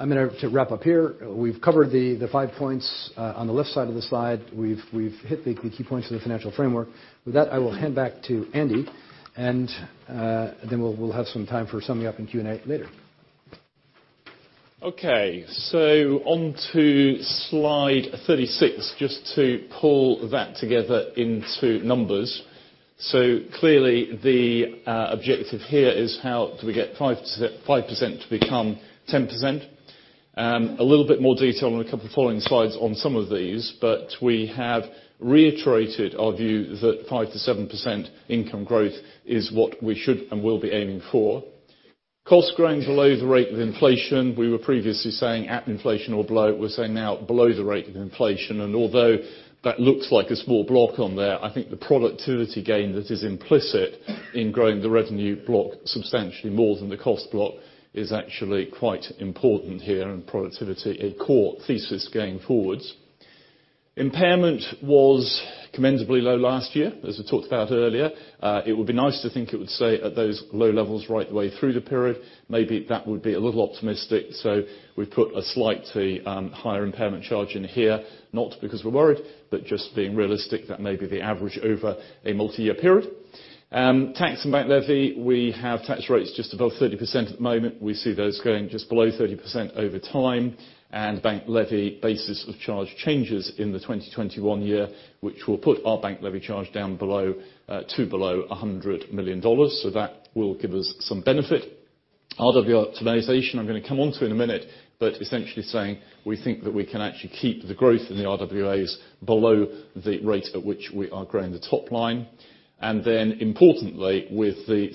I'm going to wrap up here. We've covered the five points on the left side of the slide. We've hit the key points of the financial framework. With that, I will hand back to Andy, and then we'll have some time for summing up and Q&A later. On to slide 36, just to pull that together into numbers. Clearly, the objective here is how do we get 5% to become 10%. A little bit more detail on a couple following slides on some of these, but we have reiterated our view that 5%-7% income growth is what we should and will be aiming for. Cost growing below the rate of inflation. We were previously saying at inflation or below. We're saying now below the rate of inflation. Although that looks like a small block on there, I think the productivity gain that is implicit in growing the revenue block substantially more than the cost block is actually quite important here in productivity, a core thesis going forwards. Impairment was commendably low last year, as I talked about earlier. It would be nice to think it would stay at those low levels right the way through the period. Maybe that would be a little optimistic, we put a slightly higher impairment charge in here. Not because we're worried, just being realistic, that may be the average over a multiyear period. Tax and bank levy, we have tax rates just above 30% at the moment. We see those going just below 30% over time. And bank levy basis of charge changes in the 2021 year, which will put our bank levy charge down to below $100 million. That will give us some benefit. RWA optimization I'm going to come onto in a minute, essentially saying we think that we can actually keep the growth in the RWAs below the rate at which we are growing the top line. Importantly, with the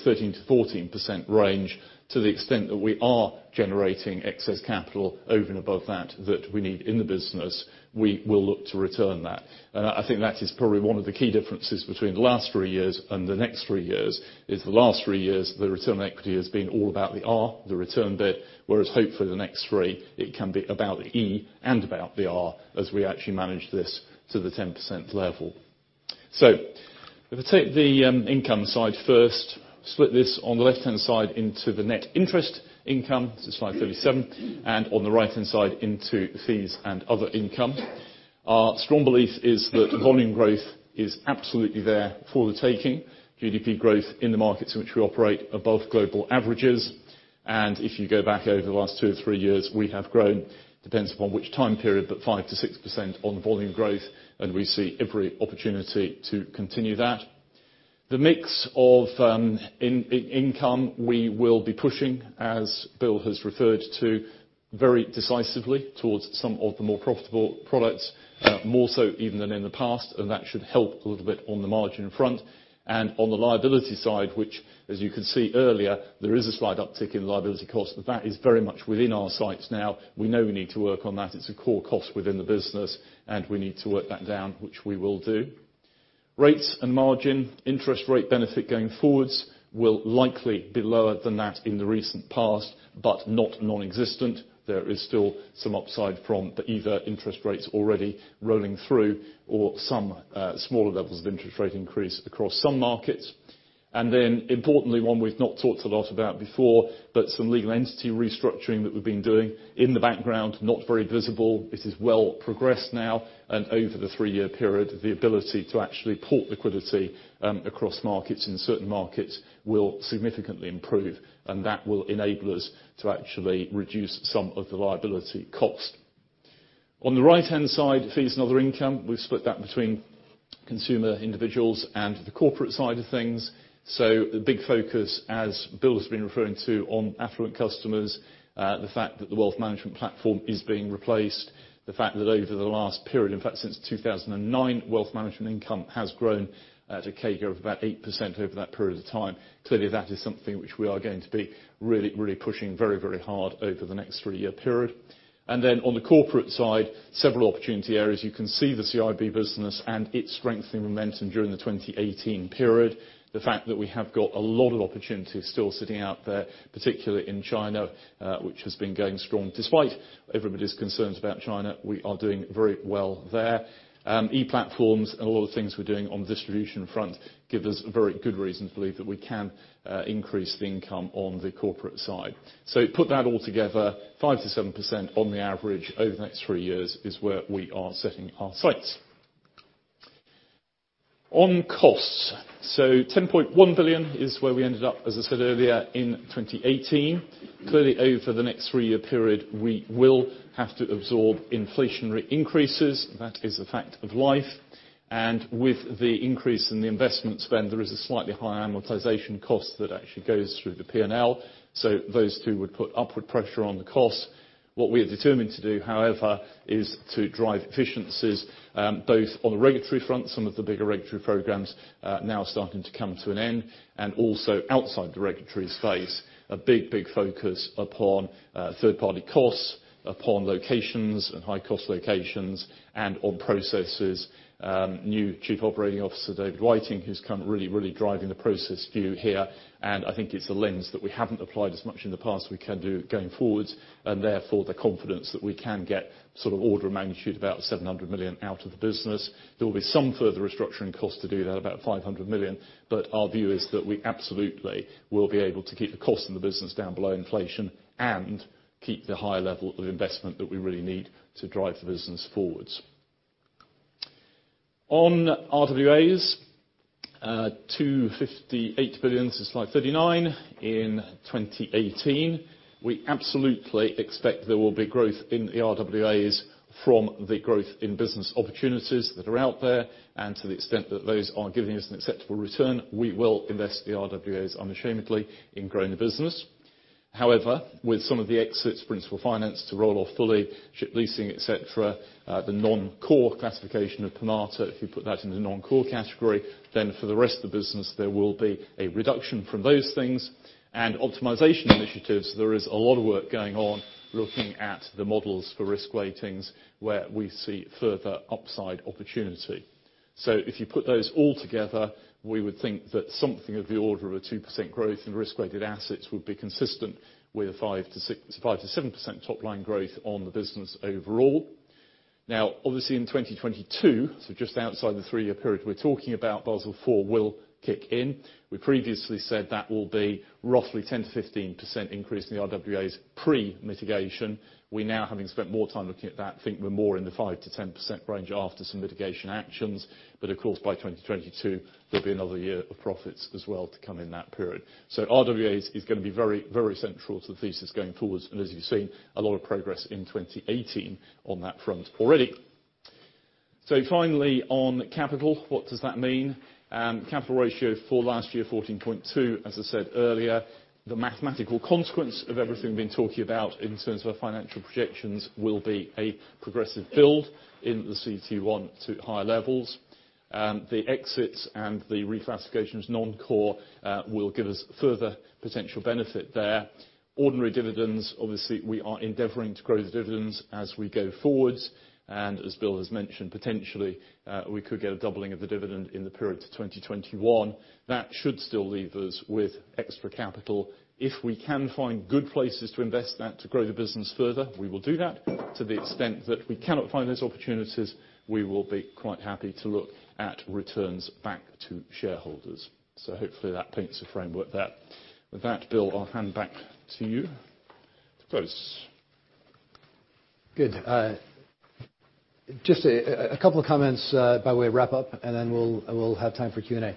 13%-14% range, to the extent that we are generating excess capital over and above that that we need in the business, we will look to return that. I think that is probably one of the key differences between the last three years and the next three years, is the last three years, the return on equity has been all about the R, the return bit. Whereas hopefully the next three, it can be about the E and about the R, as we actually manage this to the 10% level. If I take the income side first, split this on the left-hand side into the net interest income, this is slide 37, and on the right-hand side into fees and other income. Our strong belief is that volume growth is absolutely there for the taking. GDP growth in the markets in which we operate above global averages. If you go back over the last two or three years, we have grown, depends upon which time period, but 5%-6% on volume growth, and we see every opportunity to continue that. The mix of income we will be pushing, as Bill has referred to, very decisively towards some of the more profitable products, more so even than in the past, and that should help a little bit on the margin front. On the liability side, which as you could see earlier, there is a slight uptick in liability cost, but that is very much within our sights now. We know we need to work on that. It's a core cost within the business, and we need to work that down, which we will do. Rates and margin, interest rate benefit going forwards will likely be lower than that in the recent past, but not nonexistent. There is still some upside from either interest rates already rolling through or some smaller levels of interest rate increase across some markets. Importantly, one we've not talked a lot about before, but some legal entity restructuring that we've been doing in the background. Not very visible. It is well progressed now. Over the three-year period, the ability to actually port liquidity across markets in certain markets will significantly improve, and that will enable us to actually reduce some of the liability cost. On the right-hand side, fees and other income, we've split that between consumer individuals and the corporate side of things. The big focus, as Bill has been referring to, on affluent customers, the fact that the wealth management platform is being replaced, the fact that over the last period, in fact, since 2009, wealth management income has grown at a CAGR of about 8% over that period of time. Clearly, that is something which we are going to be really pushing very hard over the next three-year period. On the corporate side, several opportunity areas. You can see the CIB business and its strengthening momentum during the 2018 period. The fact that we have got a lot of opportunities still sitting out there, particularly in China, which has been going strong. Despite everybody's concerns about China, we are doing very well there. E-platforms and a lot of the things we're doing on the distribution front give us very good reason to believe that we can increase the income on the corporate side. Put that all together, 5%-7% on the average over the next three years is where we are setting our sights. On costs. $10.1 billion is where we ended up, as I said earlier, in 2018. Clearly, over the next three-year period, we will have to absorb inflationary increases. That is a fact of life. With the increase in the investment spend, there is a slightly higher amortization cost that actually goes through the P&L. Those two would put upward pressure on the cost. What we are determined to do, however, is to drive efficiencies, both on the regulatory front, some of the bigger regulatory programs are now starting to come to an end, and also outside the regulatory space, a big focus upon third-party costs, upon locations and high cost locations, and on processes. New Chief Operating Officer, David Whiteing, who's come really driving the process view here. I think it's a lens that we haven't applied as much in the past, we can do going forwards. Therefore, the confidence that we can get sort of order of magnitude about $700 million out of the business. There will be some further restructuring cost to do, about $500 million. Our view is that we absolutely will be able to keep the cost in the business down below inflation and keep the high level of investment that we really need to drive the business forwards. On RWAs, $258 billion, slide 39, in 2018. We absolutely expect there will be growth in the RWAs from the growth in business opportunities that are out there. To the extent that those are giving us an acceptable return, we will invest the RWAs unashamedly in growing the business. However, with some of the exits, principal finance to roll off fully, ship leasing, et cetera, the non-core classification of Permata, if you put that in the non-core category, then for the rest of the business, there will be a reduction from those things. Optimization initiatives, there is a lot of work going on looking at the models for risk weightings where we see further upside opportunity. If you put those all together, we would think that something of the order of a 2% growth in Risk-Weighted Assets would be consistent with a 5%-7% top line growth on the business overall. Obviously in 2022, so just outside the three-year period we're talking about, Basel IV will kick in. We previously said that will be roughly 10%-15% increase in the RWAs pre-mitigation. We now, having spent more time looking at that, think we're more in the 5%-10% range after some mitigation actions. Of course, by 2022, there'll be another year of profits as well to come in that period. RWAs is going to be very central to the thesis going forwards. As you've seen, a lot of progress in 2018 on that front already. Finally, on capital, what does that mean? Capital ratio for last year, 14.2. As I said earlier, the mathematical consequence of everything we've been talking about in terms of our financial projections will be a progressive build in the CET1 to higher levels. The exits and the reclassifications non-core will give us further potential benefit there. Ordinary dividends, obviously, we are endeavoring to grow the dividends as we go forwards. As Bill has mentioned, potentially, we could get a doubling of the dividend in the period to 2021. That should still leave us with extra capital. If we can find good places to invest that to grow the business further, we will do that. To the extent that we cannot find those opportunities, we will be quite happy to look at returns back to shareholders. Hopefully, that paints a framework there. With that, Bill, I'll hand back to you to close. Good. Just a couple of comments by way of wrap-up, and then we'll have time for Q&A.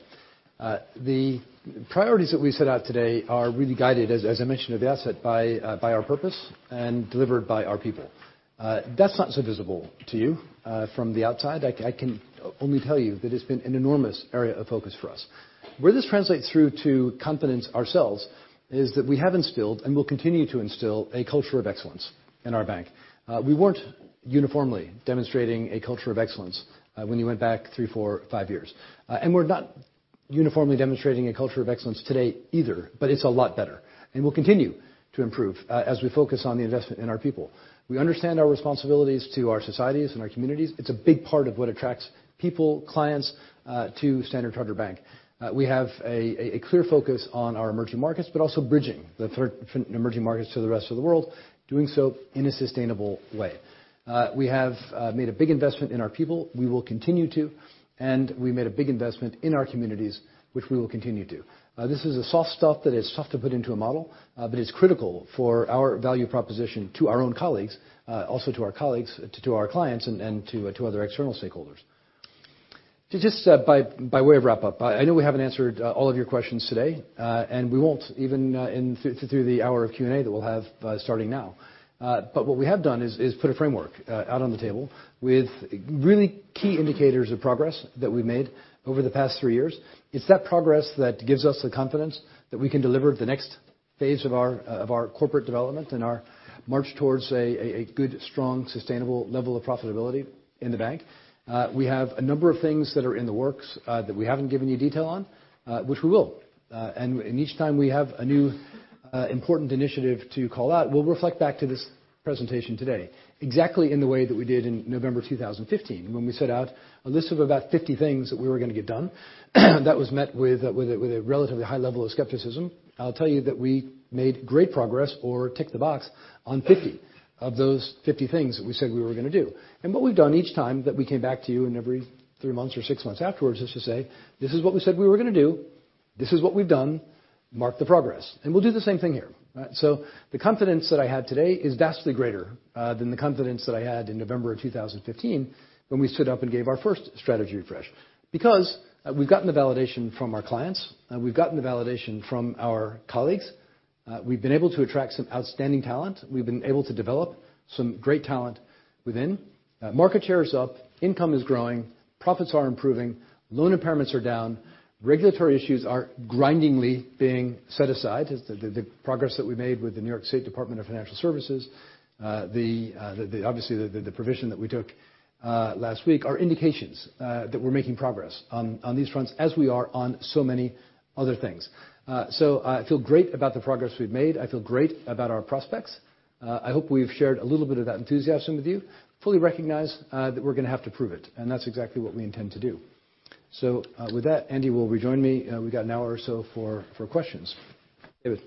The priorities that we set out today are really guided, as I mentioned, by our purpose and delivered by our people. That's not so visible to you from the outside. I can only tell you that it's been an enormous area of focus for us. Where this translates through to confidence ourselves, is that we have instilled, and will continue to instill, a culture of excellence in our bank. We weren't uniformly demonstrating a culture of excellence when you went back three, four, five years. We're not uniformly demonstrating a culture of excellence today either, but it's a lot better, and we'll continue to improve as we focus on the investment in our people. We understand our responsibilities to our societies and our communities. It's a big part of what attracts people, clients, to Standard Chartered Bank. We have a clear focus on our emerging markets, but also bridging the emerging markets to the rest of the world, doing so in a sustainable way. We have made a big investment in our people. We will continue to, and we made a big investment in our communities, which we will continue to. This is a soft stuff that is tough to put into a model, but is critical for our value proposition to our own colleagues, also to our colleagues, to our clients and to other external stakeholders. Just by way of wrap-up, I know we haven't answered all of your questions today, and we won't even through the hour of Q&A that we'll have starting now. What we have done is put a framework out on the table with really key indicators of progress that we've made over the past three years. It's that progress that gives us the confidence that we can deliver the next phase of our corporate development and our march towards a good, strong, sustainable level of profitability in the bank. We have a number of things that are in the works that we haven't given you detail on, which we will. Each time we have a new important initiative to call out, we'll reflect back to this presentation today, exactly in the way that we did in November 2015, when we set out a list of about 50 things that we were going to get done that was met with a relatively high level of skepticism. I'll tell you that we made great progress or ticked the box on 50 of those 50 things that we said we were going to do. What we've done each time that we came back to you in every three months or six months afterwards is to say, "This is what we said we were going to do. This is what we've done. Mark the progress." We'll do the same thing here. The confidence that I have today is vastly greater than the confidence that I had in November of 2015 when we stood up and gave our first strategy refresh. Because we've gotten the validation from our clients, we've gotten the validation from our colleagues. We've been able to attract some outstanding talent. We've been able to develop some great talent within. Market share is up, income is growing, profits are improving, loan impairments are down, regulatory issues are grindingly being set aside. The progress that we made with the New York State Department of Financial Services, obviously the provision that we took last week are indications that we're making progress on these fronts as we are on so many other things. I feel great about the progress we've made. I feel great about our prospects. I hope we've shared a little bit of that enthusiasm with you. Fully recognize that we're going to have to prove it, and that's exactly what we intend to do. With that, Andy will rejoin me. We got an hour or so for questions. David.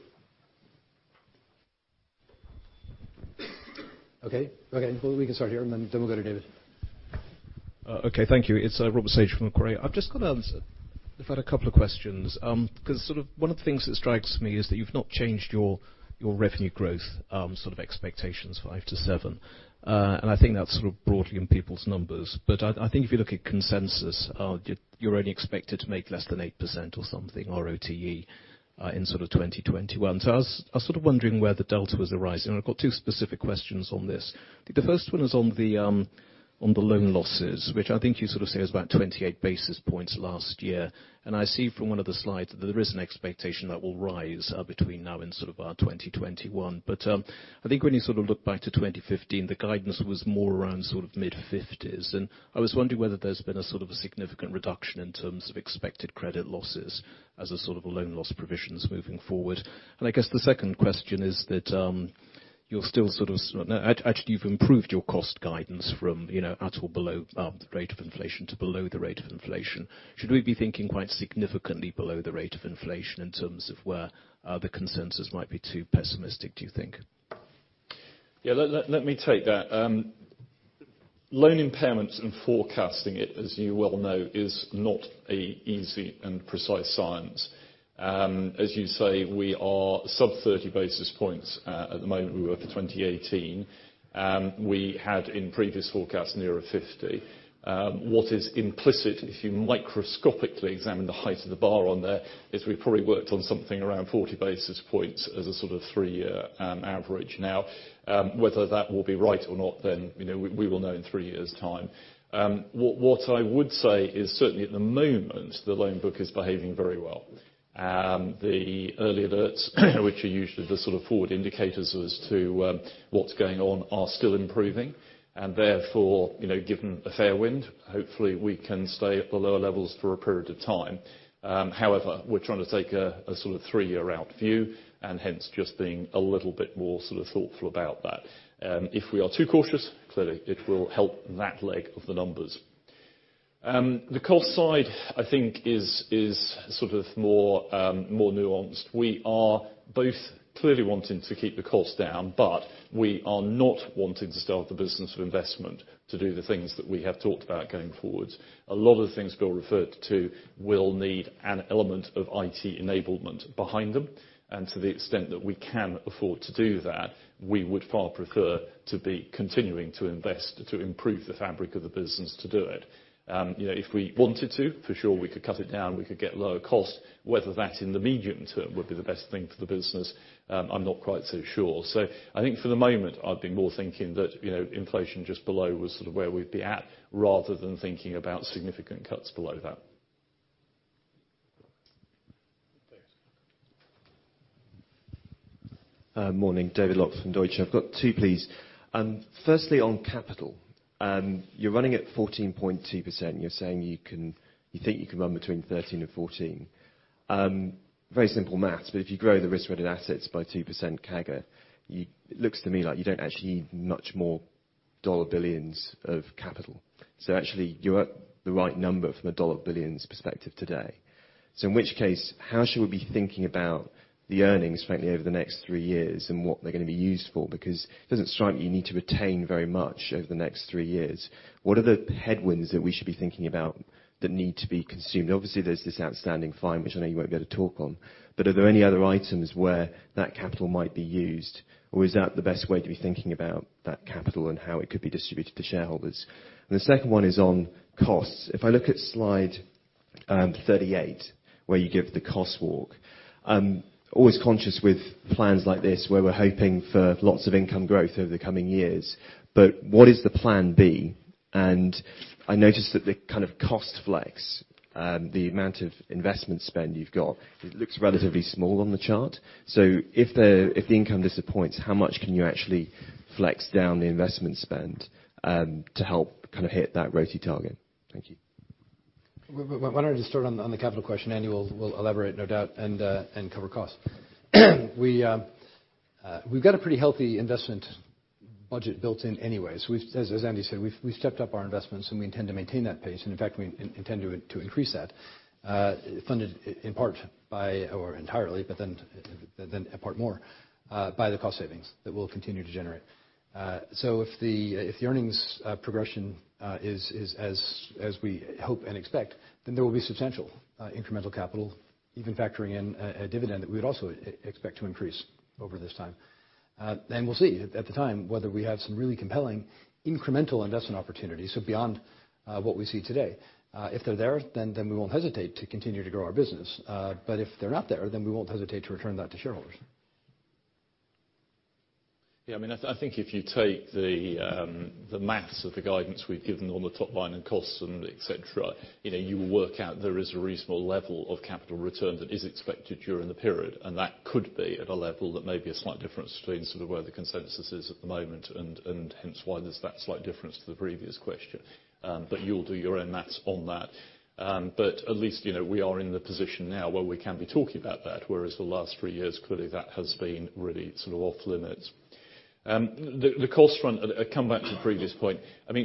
We can start here, and then we'll go to David. Thank you. It's Robert Sage from Macquarie. I've just got a couple of questions. One of the things that strikes me is that you've not changed your revenue growth expectations 5%-7%. I think that's broadly in people's numbers. I think if you look at consensus, you're only expected to make less than 8% or something, ROTE, in sort of 2021. I was wondering where the delta was arising. I've got two specific questions on this. The first one is on the loan losses, which I think you sort of say is about 28 basis points last year. I see from one of the slides that there is an expectation that will rise between now and sort of our 2021. I think when you look back to 2015, the guidance was more around sort of mid-50s. I was wondering whether there's been a significant reduction in terms of expected credit losses as a sort of loan loss provisions moving forward. I guess the second question is that you're still, actually, you've improved your cost guidance from at or below the rate of inflation to below the rate of inflation. Should we be thinking quite significantly below the rate of inflation in terms of where the consensus might be too pessimistic, do you think? Let me take that. Loan impairments and forecasting it, as you well know, is not a easy and precise science. As you say, we are sub 30 basis points at the moment. We were for 2018. We had in previous forecasts nearer 50. What is implicit, if you microscopically examine the height of the bar on there, is we probably worked on something around 40 basis points as a sort of three-year average. Whether that will be right or not, then, we will know in three years' time. What I would say is certainly at the moment, the loan book is behaving very well. The early alerts, which are usually the sort of forward indicators as to what's going on are still improving, therefore, given a fair wind, hopefully we can stay at the lower levels for a period of time. We're trying to take a sort of three-year-out view, hence just being a little bit more thoughtful about that. If we are too cautious, clearly it will help that leg of the numbers. The cost side, I think, is more nuanced. We are both clearly wanting to keep the cost down, we are not wanting to starve the business of investment to do the things that we have talked about going forward. A lot of the things Bill referred to will need an element of IT enablement behind them, to the extent that we can afford to do that, we would far prefer to be continuing to invest to improve the fabric of the business to do it. If we wanted to, for sure we could cut it down, we could get lower cost. Whether that in the medium term would be the best thing for the business, I'm not quite so sure. I think for the moment, I'd be more thinking that inflation just below was sort of where we'd be at, rather than thinking about significant cuts below that. Thanks. Morning, David Lock from Deutsche. I've got two, please. Firstly, on capital. You're running at 14.2%, and you're saying you think you can run between 13%-14%. Very simple maths, but if you grow the risk-weighted assets by 2% CAGR, it looks to me like you don't actually need much more dollar billions of capital. Actually, you're at the right number from a dollar billions perspective today. In which case, how should we be thinking about the earnings, frankly, over the next three years, and what they're going to be used for? Because it doesn't strike me you need to retain very much over the next three years. What are the headwinds that we should be thinking about that need to be consumed? Obviously, there's this outstanding fine, which I know you won't be able to talk on. Are there any other items where that capital might be used, or is that the best way to be thinking about that capital and how it could be distributed to shareholders? The second one is on costs. If I look at slide 38, where you give the cost walk. Always conscious with plans like this where we're hoping for lots of income growth over the coming years. What is the plan B? I notice that the kind of cost flex, the amount of investment spend you've got, it looks relatively small on the chart. If the income disappoints, how much can you actually flex down the investment spend to help kind of hit that ROTE target? Thank you. Why don't I just start on the capital question. Andy will elaborate, no doubt, and cover costs. We've got a pretty healthy investment budget built in anyway. As Andy said, we've stepped up our investments, and we intend to maintain that pace. In fact, we intend to increase that, funded in part by, or entirely, but then a part more, by the cost savings that we'll continue to generate. If the earnings progression is as we hope and expect, then there will be substantial incremental capital, even factoring in a dividend that we would also expect to increase over this time. We'll see at the time whether we have some really compelling incremental investment opportunities, so beyond what we see today. If they're there, then we won't hesitate to continue to grow our business. If they're not there, we won't hesitate to return that to shareholders. Yeah. I think if you take the maths of the guidance we've given on the top line and costs and et cetera, you will work out there is a reasonable level of capital return that is expected during the period. That could be at a level that may be a slight difference between sort of where the consensus is at the moment, and hence why there's that slight difference to the previous question. You'll do your own maths on that. At least we are in the position now where we can be talking about that, whereas the last three years, clearly that has been really sort of off limits. The cost front, come back to the previous point.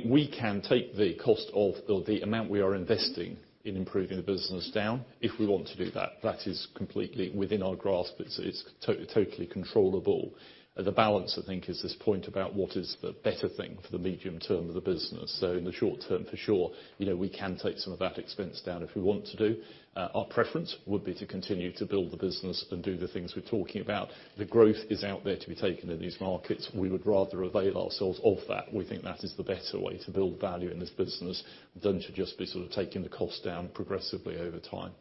We can take the cost of the amount we are investing in improving the business down if we want to do that. That is completely within our grasp. It's totally controllable. The balance, I think, is this point about what is the better thing for the medium term of the business. In the short term, for sure, we can take some of that expense down if we want to do. Our preference would be to continue to build the business and do the things we're talking about. The growth is out there to be taken in these markets. We would rather avail ourselves of that. We think that is the better way to build value in this business, than to just be sort of taking the cost down progressively over time.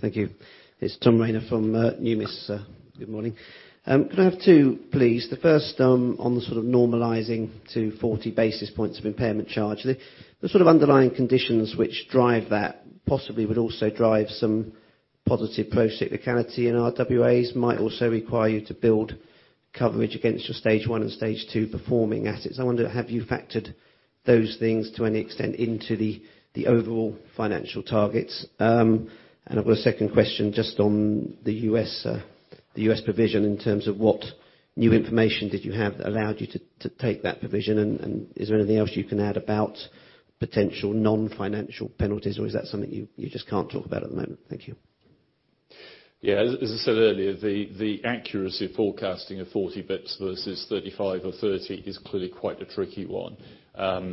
Thank you. It's Tom Rayner from Numis. Good morning. Could I have two, please? The first on the sort of normalizing to 40 basis points of impairment charge. The sort of underlying conditions which drive that possibly would also drive some positive procyclicality in RWAs might also require you to build coverage against your Stage 1 and Stage 2 performing assets. I wonder, have you factored those things to any extent into the overall financial targets? I've got a second question just on the U.S. provision in terms of what new information did you have that allowed you to take that provision, and is there anything else you can add about potential non-financial penalties, or is that something you just can't talk about at the moment? Thank you. Yeah. As I said earlier, the accuracy of forecasting at 40 basis points versus 35 or 30 is clearly quite a tricky one.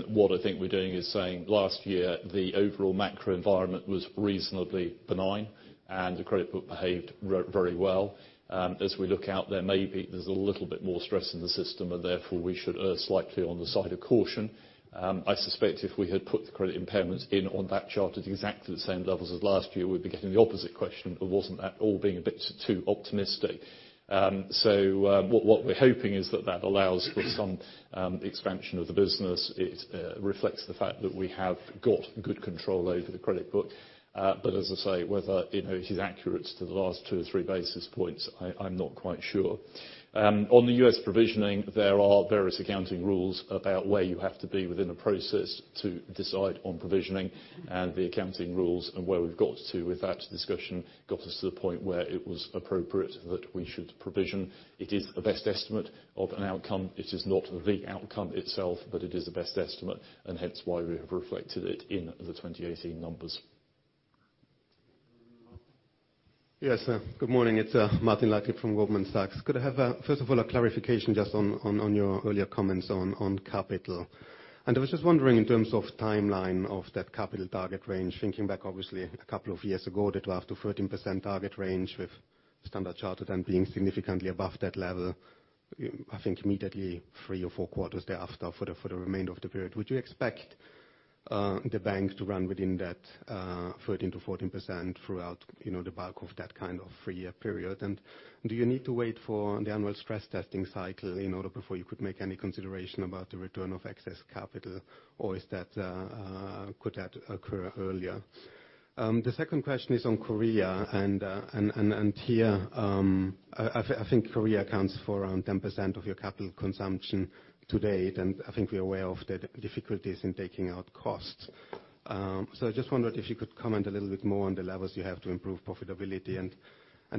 What I think we're doing is saying last year, the overall macro environment was reasonably benign, and the credit book behaved very well. As we look out there, maybe there's a little bit more stress in the system and therefore we should err slightly on the side of caution. I suspect if we had put the credit impairments in on that chart at exactly the same levels as last year we'd be getting the opposite question of wasn't that all being a bit too optimistic. What we're hoping is that that allows for some expansion of the business. It reflects the fact that we have got good control over the credit book. As I say, whether it is accurate to the last two or three basis points, I'm not quite sure. On the U.S. provisioning, there are various accounting rules about where you have to be within a process to decide on provisioning and the accounting rules, and where we've got to with that discussion got us to the point where it was appropriate that we should provision. It is a best estimate of an outcome. It is not the outcome itself, but it is a best estimate, and hence why we have reflected it in the 2018 numbers. Yes. Good morning, it's Martin Leitgeb from Goldman Sachs. Could I have, first of all, a clarification just on your earlier comments on capital? I was just wondering in terms of timeline of that capital target range, thinking back obviously a couple of years ago, the 12%-13% target range with Standard Chartered and being significantly above that level, I think immediately three or four quarters thereafter for the remainder of the period. Would you expect the bank to run within that, 13%-14% throughout the bulk of that kind of three-year period? Do you need to wait for the annual stress testing cycle in order before you could make any consideration about the return of excess capital? Could that occur earlier? The second question is on Korea. Here, I think Korea accounts for around 10% of your capital consumption to date, and I think we're aware of the difficulties in taking out costs. I just wondered if you could comment a little bit more on the levels you have to improve profitability, and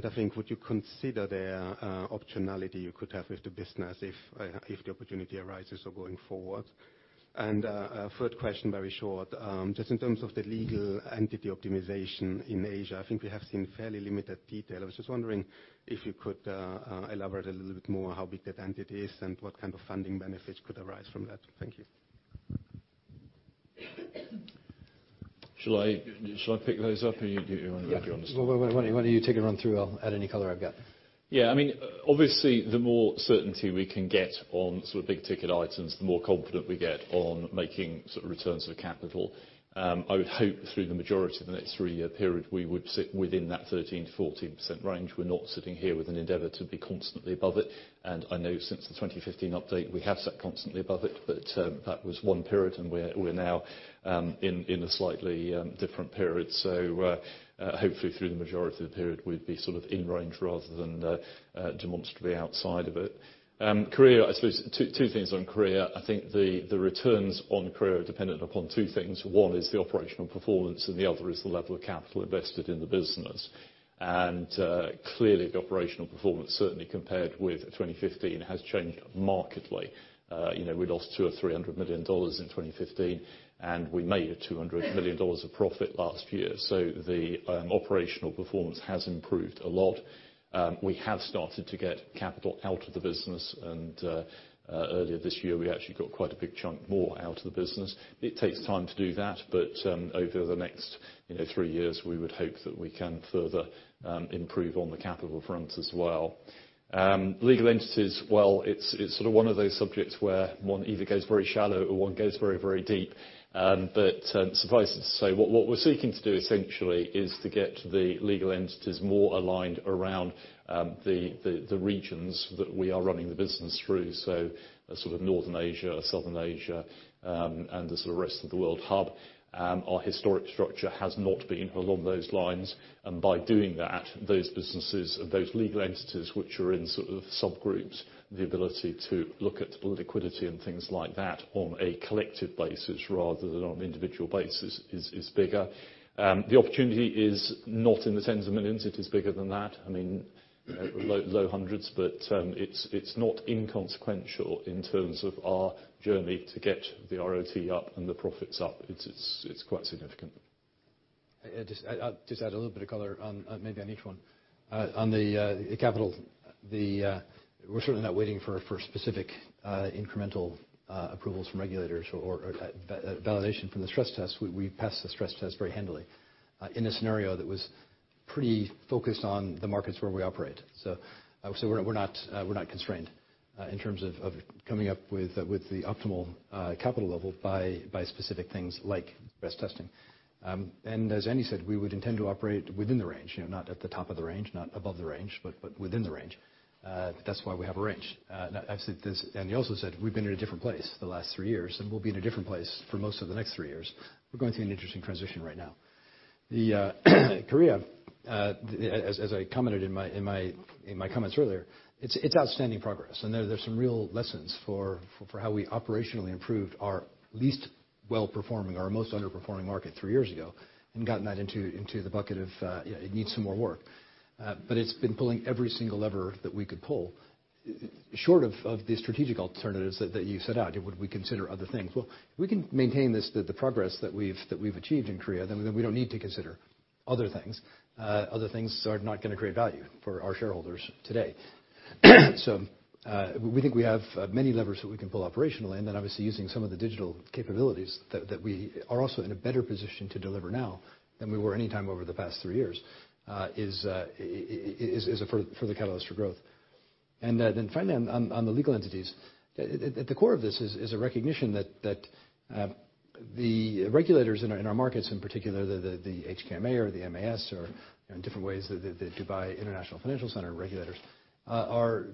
I think, would you consider the optionality you could have with the business if the opportunity arises or going forward? A third question, very short. Just in terms of the legal entity optimization in Asia. I think we have seen fairly limited detail. I was just wondering if you could elaborate a little bit more how big that entity is and what kind of funding benefits could arise from that. Thank you. Shall I pick those up or you want to? Why don't you take a run through. I'll add any color I've got. Yeah. Obviously, the more certainty we can get on big ticket items, the more confident we get on making returns on capital. I would hope through the majority of the next three-year period, we would sit within that 13%-14% range. We're not sitting here with an endeavor to be constantly above it. I know since the 2015 update we have sat constantly above it, but that was one period and we're now in a slightly different period. Hopefully through the majority of the period we'd be in range rather than demonstrably outside of it. Korea, I suppose two things on Korea. I think the returns on Korea are dependent upon two things. One is the operational performance and the other is the level of capital invested in the business. Clearly the operational performance certainly compared with 2015 has changed markedly. We lost $200 or $300 million in 2015, and we made a $200 million of profit last year. The operational performance has improved a lot. We have started to get capital out of the business, and earlier this year we actually got quite a big chunk more out of the business. It takes time to do that, but, over the next three years, we would hope that we can further improve on the capital front as well. Legal entities, well, it's one of those subjects where one either goes very shallow or one goes very deep. Suffice it to say, what we're seeking to do essentially is to get the legal entities more aligned around the regions that we are running the business through. Northern Asia or Southern Asia, and the sort of rest of the world hub. Our historic structure has not been along those lines. By doing that, those businesses or those legal entities which are in subgroups, the ability to look at liquidity and things like that on a collective basis rather than on an individual basis is bigger. The opportunity is not in the tens of millions. It is bigger than that. Low hundreds. It's not inconsequential in terms of our journey to get the ROTE up and the profits up. It's quite significant. I'll just add a little bit of color on maybe on each one. On the capital, we're certainly not waiting for specific incremental approvals from regulators or validation from the stress test. We passed the stress test very handily in a scenario that was pretty focused on the markets where we operate. We're not constrained in terms of coming up with the optimal capital level by specific things like stress testing. As Andy said, we would intend to operate within the range. Not at the top of the range, not above the range, but within the range. That's why we have a range. Andy also said we've been in a different place the last three years, and we'll be in a different place for most of the next three years. We're going through an interesting transition right now. Korea, as I commented in my comments earlier, it's outstanding progress. There's some real lessons for how we operationally improved our least well-performing or our most underperforming market three years ago and gotten that into the bucket of, it needs some more work. It's been pulling every single lever that we could pull, short of the strategic alternatives that you set out. Would we consider other things? Well, if we can maintain the progress that we've achieved in Korea, then we don't need to consider other things. Other things are not going to create value for our shareholders today. We think we have many levers that we can pull operationally. Then obviously using some of the digital capabilities that we are also in a better position to deliver now than we were anytime over the past three years, is a further catalyst for growth. Finally, on the legal entities. At the core of this is a recognition that the regulators in our markets, in particular the HKMA or the MAS or in different ways, the Dubai International Financial Centre regulators, are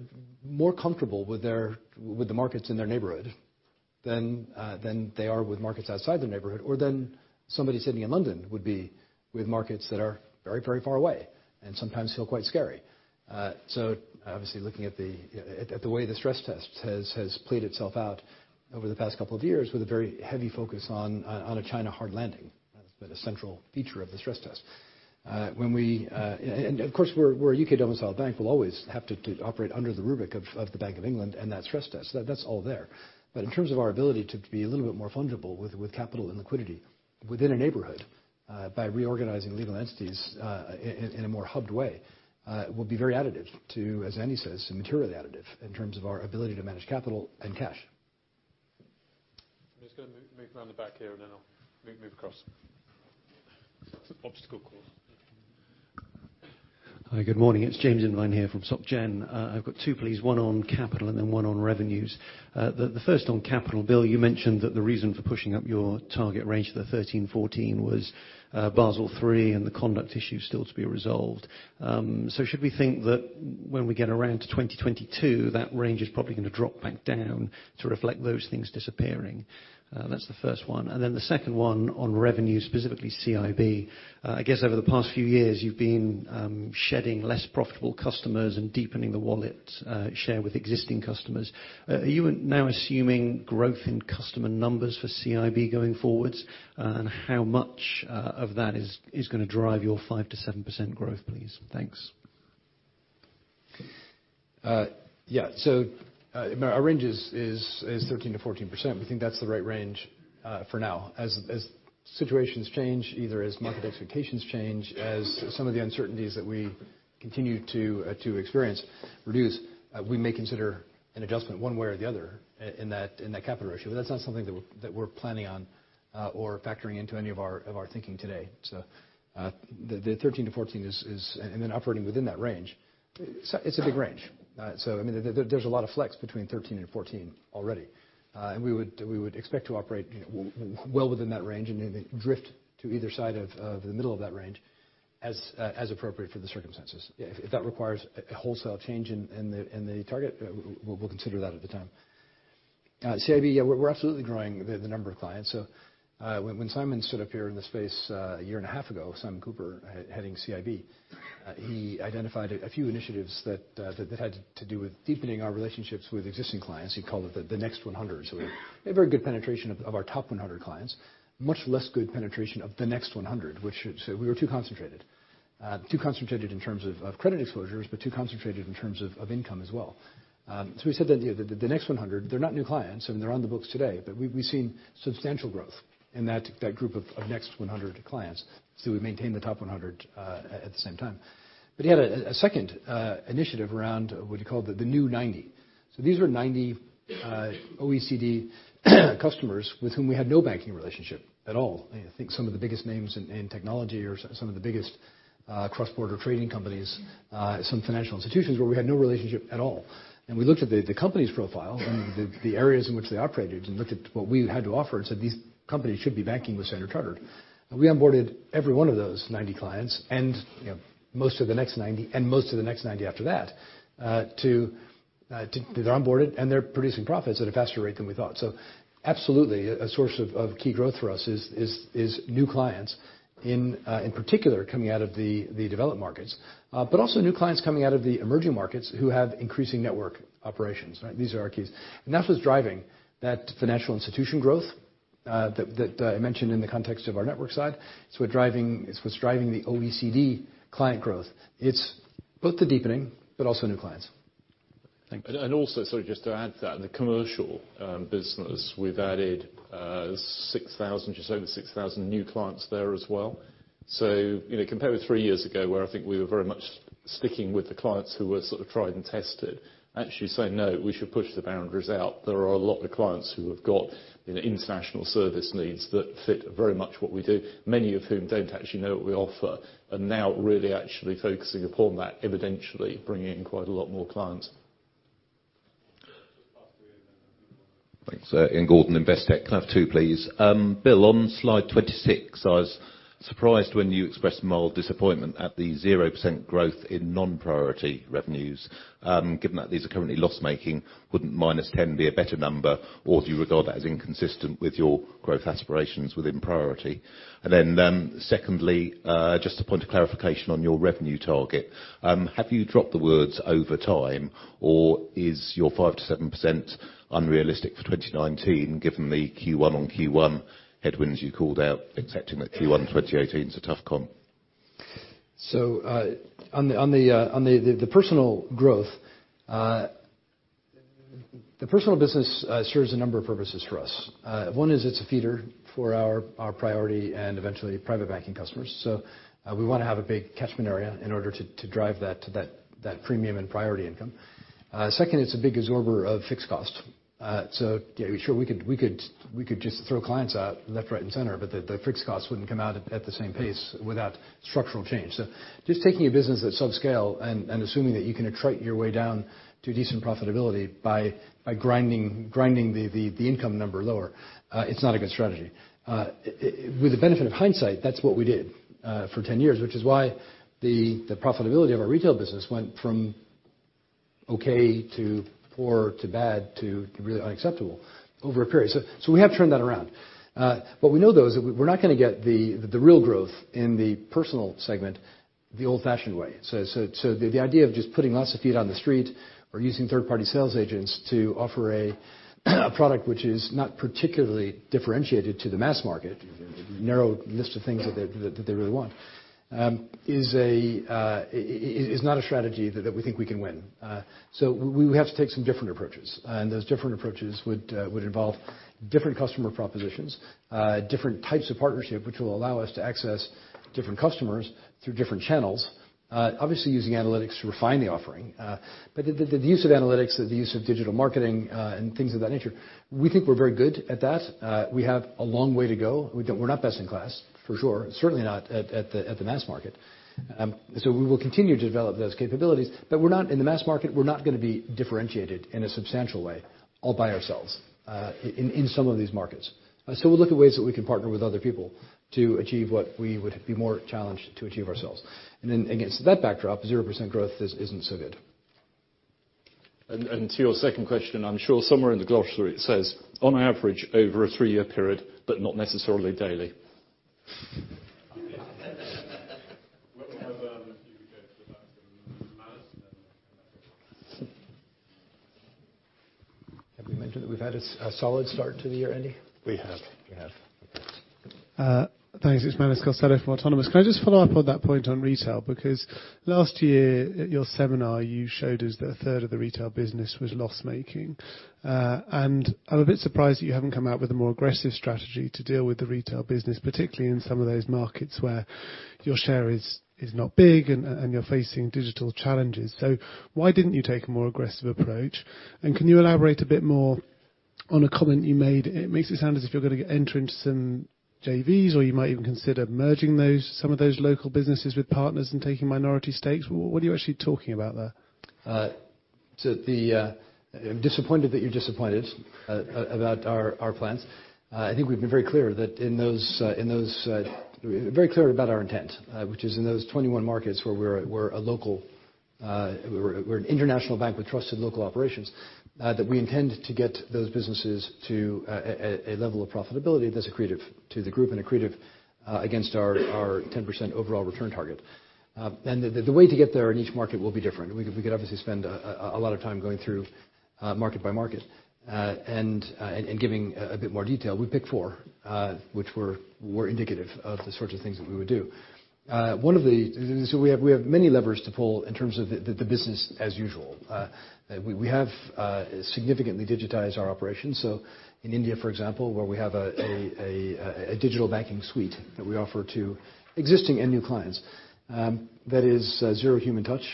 more comfortable with the markets in their neighborhood than they are with markets outside their neighborhood or than somebody sitting in London would be with markets that are very far away and sometimes feel quite scary. Obviously looking at the way the stress test has played itself out over the past couple of years with a very heavy focus on a China hard landing. That's been a central feature of the stress test. Of course, we're a U.K.-domiciled bank. We'll always have to operate under the rubric of the Bank of England and that stress test. That's all there. In terms of our ability to be a little bit more fungible with capital and liquidity within a neighborhood, by reorganizing legal entities in a more hubbed way, will be very additive to, as Andy says, materially additive in terms of our ability to manage capital and cash. I'm just going to move around the back here now. Move across. It's an obstacle course. Hi, good morning. It's James Irvine here from SocGen. I've got two, please, one on capital, one on revenues. The first on capital. Bill, you mentioned that the reason for pushing up your target range to the 13%-14% was Basel III and the conduct issue still to be resolved. Should we think that when we get around to 2022, that range is probably going to drop back down to reflect those things disappearing? That's the first one. The second one on revenue, specifically CIB. I guess over the past few years, you've been shedding less profitable customers and deepening the wallet share with existing customers. Are you now assuming growth in customer numbers for CIB going forwards? How much of that is going to drive your 5%-7% growth, please? Thanks. Yeah. Our range is 13%-14%. We think that's the right range for now. As situations change, either as market expectations change, as some of the uncertainties that we continue to experience reduce, we may consider an adjustment one way or the other in that capital ratio. That's not something that we're planning on or factoring into any of our thinking today. The 13-14 and then operating within that range. It's a big range. There's a lot of flex between 13 and 14 already. We would expect to operate well within that range and maybe drift to either side of the middle of that range as appropriate for the circumstances. If that requires a wholesale change in the target, we'll consider that at the time. CIB, yeah, we're absolutely growing the number of clients. When Simon stood up here in the space a year and a half ago, Simon Cooper, heading CIB. He identified a few initiatives that had to do with deepening our relationships with existing clients. He called it the next 100. We have very good penetration of our top 100 clients, much less good penetration of the next 100, which we were too concentrated. Too concentrated in terms of credit exposures, but too concentrated in terms of income as well. We said that the next 100, they're not new clients, and they're on the books today, but we've seen substantial growth in that group of next 100 clients. We maintain the top 100 at the same time. He had a second initiative around what he called the new 90. These were 90 OECD customers with whom we had no banking relationship at all. I think some of the biggest names in technology or some of the biggest cross-border trading companies, some financial institutions where we had no relationship at all. We looked at the company's profile and the areas in which they operated and looked at what we had to offer and said these companies should be banking with Standard Chartered. We onboarded every one of those 90 clients and most of the next 90 after that. They're onboarded, and they're producing profits at a faster rate than we thought. Absolutely, a source of key growth for us is new clients, in particular, coming out of the developed markets. Also new clients coming out of the emerging markets who have increasing network operations. These are our keys. That's what's driving that financial institution growth that I mentioned in the context of our network side. It's what's driving the OECD client growth. It's both the deepening, also new clients. Thank you. Also, sorry, just to add to that, in the commercial business, we've added just over 6,000 new clients there as well. Compared with three years ago, where I think we were very much sticking with the clients who were sort of tried and tested, actually saying, "No, we should push the boundaries out." There are a lot of clients who have got international service needs that fit very much what we do, many of whom don't actually know what we offer, and now really actually focusing upon that, evidentially bringing in quite a lot more clients. Thanks. Ian Gordon, Investec. Can I have two, please? Bill, on slide 26, I was surprised when you expressed mild disappointment at the 0% growth in non-priority revenues. Given that these are currently loss-making, wouldn't minus 10 be a better number, or do you regard that as inconsistent with your growth aspirations within priority? Then secondly, just a point of clarification on your revenue target. Have you dropped the words over time, or is your 5%-7% unrealistic for 2019 given the Q1-on-Q1 headwinds you called out, accepting that Q1 2018 is a tough comp? On the personal growth, the personal business serves a number of purposes for us. One, it's a feeder for our priority and eventually private banking customers. We want to have a big catchment area in order to drive that premium and priority income. Second, it's a big absorber of fixed cost. Sure, we could just throw clients out left, right, and center, but the fixed costs wouldn't come out at the same pace without structural change. Just taking a business that's subscale and assuming that you can attrite your way down to decent profitability by grinding the income number lower, it's not a good strategy. With the benefit of hindsight, that's what we did for 10 years, which is why the profitability of our retail business went from okay to poor to bad to really unacceptable over a period. We have turned that around. What we know, though, is that we're not going to get the real growth in the personal segment the old-fashioned way. The idea of just putting lots of feet on the street or using third-party sales agents to offer a product which is not particularly differentiated to the mass market, a narrow list of things that they really want, is not a strategy that we think we can win. We have to take some different approaches, and those different approaches would involve different customer propositions, different types of partnership, which will allow us to access different customers through different channels. Obviously, using analytics to refine the offering. The use of analytics, the use of digital marketing, and things of that nature, we think we're very good at that. We have a long way to go. We're not best in class, for sure. Certainly not at the mass market. We will continue to develop those capabilities. In the mass market, we're not going to be differentiated in a substantial way all by ourselves in some of these markets. We'll look at ways that we can partner with other people to achieve what we would be more challenged to achieve ourselves. Against that backdrop, 0% growth isn't so good. To your second question, I'm sure somewhere in the glossary, it says on average over a three-year period, but not necessarily daily. If you could go to the back, to Manus and then. Have we mentioned that we've had a solid start to the year, Andy? We have. We have. Thanks. It's Manus Costello from Autonomous. Can I just follow up on that point on retail? Last year at your seminar, you showed us that a third of the retail business was loss-making. I'm a bit surprised that you haven't come out with a more aggressive strategy to deal with the retail business, particularly in some of those markets where your share is not big and you're facing digital challenges. Why didn't you take a more aggressive approach? Can you elaborate a bit more on a comment you made? It makes it sound as if you're going to enter into some JVs, or you might even consider merging some of those local businesses with partners and taking minority stakes. What are you actually talking about there? I'm disappointed that you're disappointed about our plans. I think we've been very clear about our intent, which is in those 21 markets where we're an international bank with trusted local operations, that we intend to get those businesses to a level of profitability that's accretive to the group and accretive against our 10% overall return target. The way to get there in each market will be different. We could obviously spend a lot of time going through market by market, and giving a bit more detail. We picked four, which were indicative of the sorts of things that we would do. We have many levers to pull in terms of the business as usual. We have significantly digitized our operations. In India, for example, where we have a digital banking suite that we offer to existing and new clients that is zero human touch.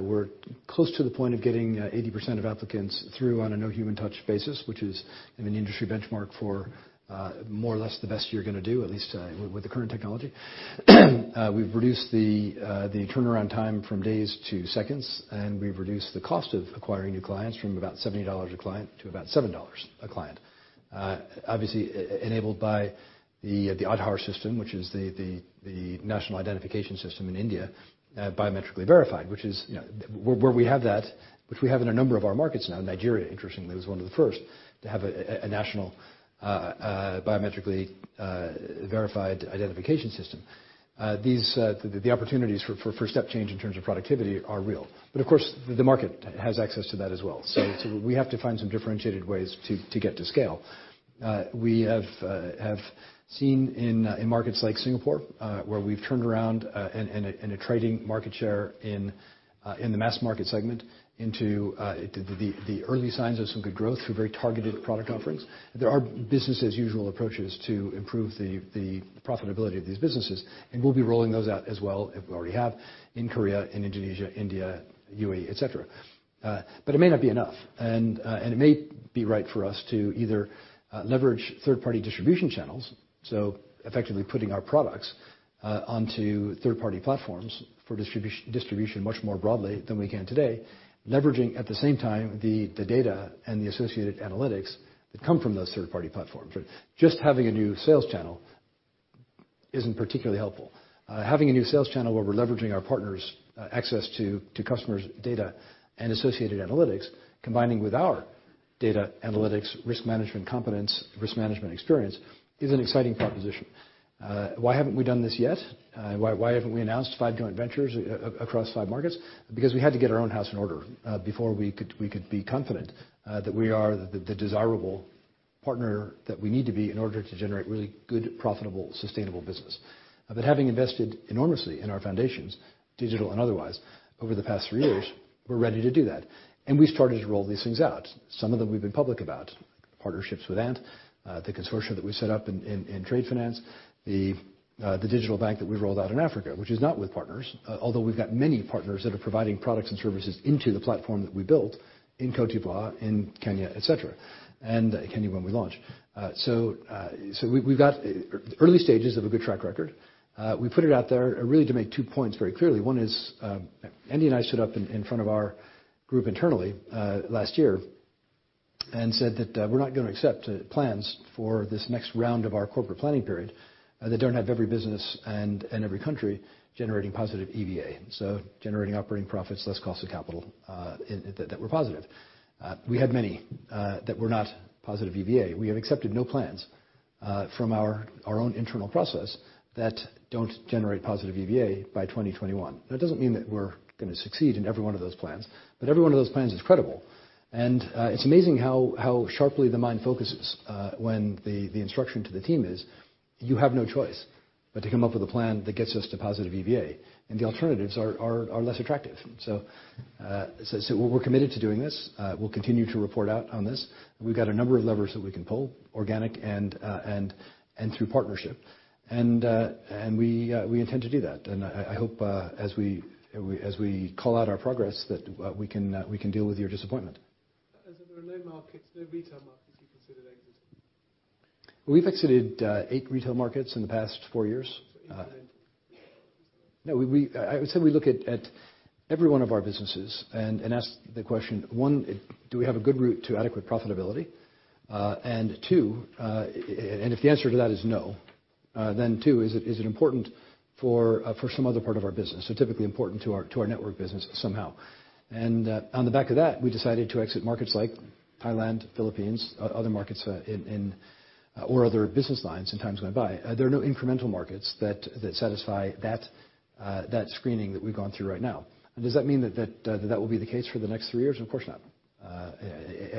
We're close to the point of getting 80% of applicants through on a no human touch basis, which is an industry benchmark for more or less the best you're going to do, at least with the current technology. We've reduced the turnaround time from days to seconds, and we've reduced the cost of acquiring new clients from about $70 a client to about $7 a client. Obviously, enabled by the Aadhaar system, which is the national identification system in India, biometrically verified. Where we have that, which we have in a number of our markets now. Nigeria, interestingly, was one of the first to have a national, biometrically verified identification system. The opportunities for step change in terms of productivity are real. Of course, the market has access to that as well. We have to find some differentiated ways to get to scale. We have seen in markets like Singapore, where we've turned around and are trading market share in the mass market segment into the early signs of some good growth through very targeted product offerings. There are business as usual approaches to improve the profitability of these businesses, and we'll be rolling those out as well, if we already have, in Korea, in Indonesia, India, UAE, et cetera. It may not be enough, and it may be right for us to either leverage third-party distribution channels, so effectively putting our products onto third-party platforms for distribution much more broadly than we can today. Leveraging, at the same time, the data and the associated analytics that come from those third-party platforms. Just having a new sales channel isn't particularly helpful. Having a new sales channel where we're leveraging our partners' access to customers' data and associated analytics, combining with our data analytics, risk management competence, risk management experience, is an exciting proposition. Why haven't we done this yet? Why haven't we announced five joint ventures across five markets? We had to get our own house in order before we could be confident that we are the desirable partner that we need to be in order to generate really good, profitable, sustainable business. Having invested enormously in our foundations, digital and otherwise, over the past three years, we're ready to do that. We started to roll these things out. Some of them we've been public about. Partnerships with Ant, the consortium that we set up in trade finance, the digital bank that we've rolled out in Africa, which is not with partners, although we've got many partners that are providing products and services into the platform that we built in Côte d'Ivoire in Kenya when we launch, et cetera. We've got early stages of a good track record. We put it out there really to make two points very clearly. One is, Andy and I stood up in front of our group internally last year and said that we're not going to accept plans for this next round of our corporate planning period that don't have every business and every country generating positive EVA. Generating operating profits less cost of capital that were positive. We had many that were not positive EVA. We have accepted no plans from our own internal process that don't generate positive EVA by 2021. That doesn't mean that we're going to succeed in every one of those plans, every one of those plans is credible. It's amazing how sharply the mind focuses when the instruction to the team is, you have no choice but to come up with a plan that gets us to positive EVA, and the alternatives are less attractive. We're committed to doing this. We'll continue to report out on this. We've got a number of levers that we can pull, organic and through partnership. We intend to do that. I hope as we call out our progress, that we can deal with your disappointment. As in there are no retail markets you consider exiting? We've exited eight retail markets in the past four years. Incremental. No. I would say we look at every one of our businesses and ask the question, one, do we have a good route to adequate profitability? If the answer to that is no, two, is it important for some other part of our business? Typically important to our network business somehow. On the back of that, we decided to exit markets like Thailand, Philippines, or other business lines in times gone by. There are no incremental markets that satisfy that screening that we've gone through right now. Does that mean that will be the case for the next three years? Of course not.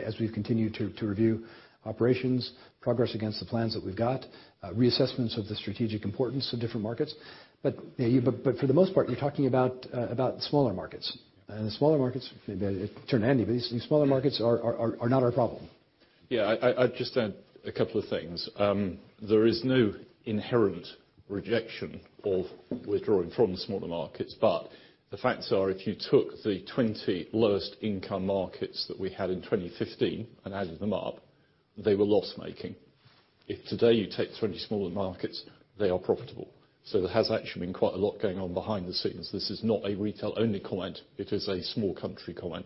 As we've continued to review operations, progress against the plans that we've got, reassessments of the strategic importance of different markets. For the most part, you're talking about smaller markets. The smaller markets, turn to Andy, these smaller markets are not our problem. Yeah. I'd just add a couple of things. There is no inherent rejection of withdrawing from smaller markets, but the facts are if you took the 20 lowest income markets that we had in 2015 and added them up, they were loss-making. If today you take 20 smaller markets, they are profitable. There has actually been quite a lot going on behind the scenes. This is not a retail-only comment. It is a small country comment.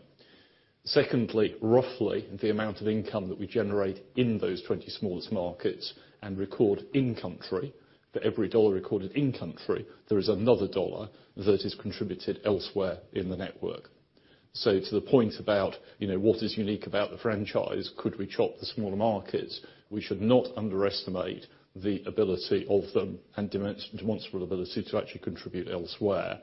Secondly, roughly the amount of income that we generate in those 20 smallest markets and record in country, for every $1 recorded in country, there is another $1 that is contributed elsewhere in the network. To the point about what is unique about the franchise, could we chop the smaller markets? We should not underestimate the ability of them and demonstrable ability to actually contribute elsewhere.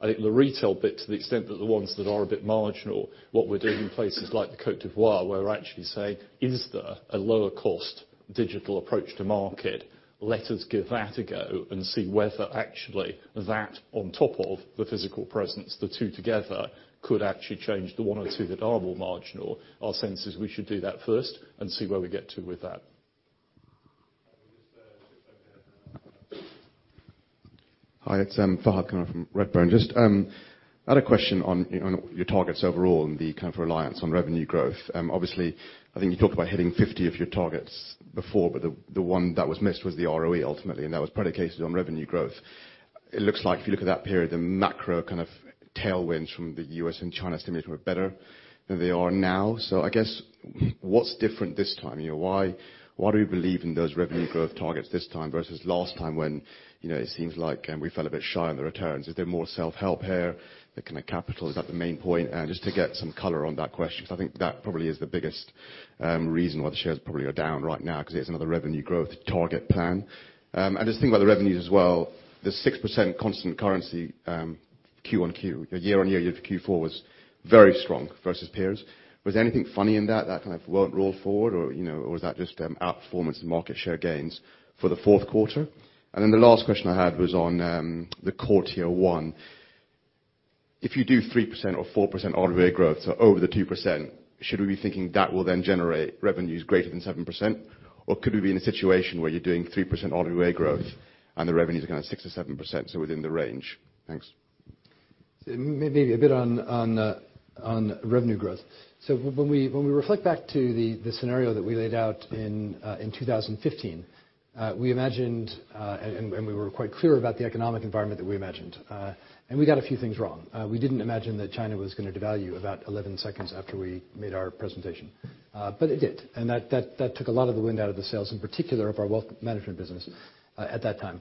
I think the retail bit, to the extent that the ones that are a bit marginal, what we're doing in places like the Côte d'Ivoire, where we're actually saying, is there a lower cost digital approach to market? Let us give that a go and see whether actually that on top of the physical presence, the two together could actually change the one or two that are more marginal. Our sense is we should do that first and see where we get to with that. I think there's time for another. Hi, it's Fahed Kunwar from Redburn. Just had a question on your targets overall and the kind of reliance on revenue growth. Obviously, I think you talked about hitting 50 of your targets before, but the one that was missed was the ROE ultimately, and that was predicated on revenue growth. It looks like if you look at that period, the macro tailwinds from the U.S. and China estimates were better than they are now. I guess, what's different this time? Why do we believe in those revenue growth targets this time versus last time when it seems like we fell a bit shy on the returns? Is there more self-help here? The kind of capital, is that the main point? Just to get some color on that question, because I think that probably is the biggest reason why the shares probably are down right now, because it's another revenue growth target plan. Just think about the revenues as well, the 6% constant currency Q on Q. Year-on-year, Q4 was very strong versus peers. Was anything funny in that kind of won't roll forward, or was that just outperformance and market share gains for the fourth quarter? The last question I had was on the core Tier 1. If you do 3% or 4% ROE growth, so over the 2%, should we be thinking that will then generate revenues greater than 7%? Or could we be in a situation where you're doing 3% ROE growth and the revenues are kind of 6% or 7%, so within the range? Thanks. Maybe a bit on revenue growth. When we reflect back to the scenario that we laid out in 2015, we imagined, and we were quite clear about the economic environment that we imagined. We got a few things wrong. We didn't imagine that China was going to devalue about 11 seconds after we made our presentation. It did, and that took a lot of the wind out of the sails, in particular of our wealth management business at that time.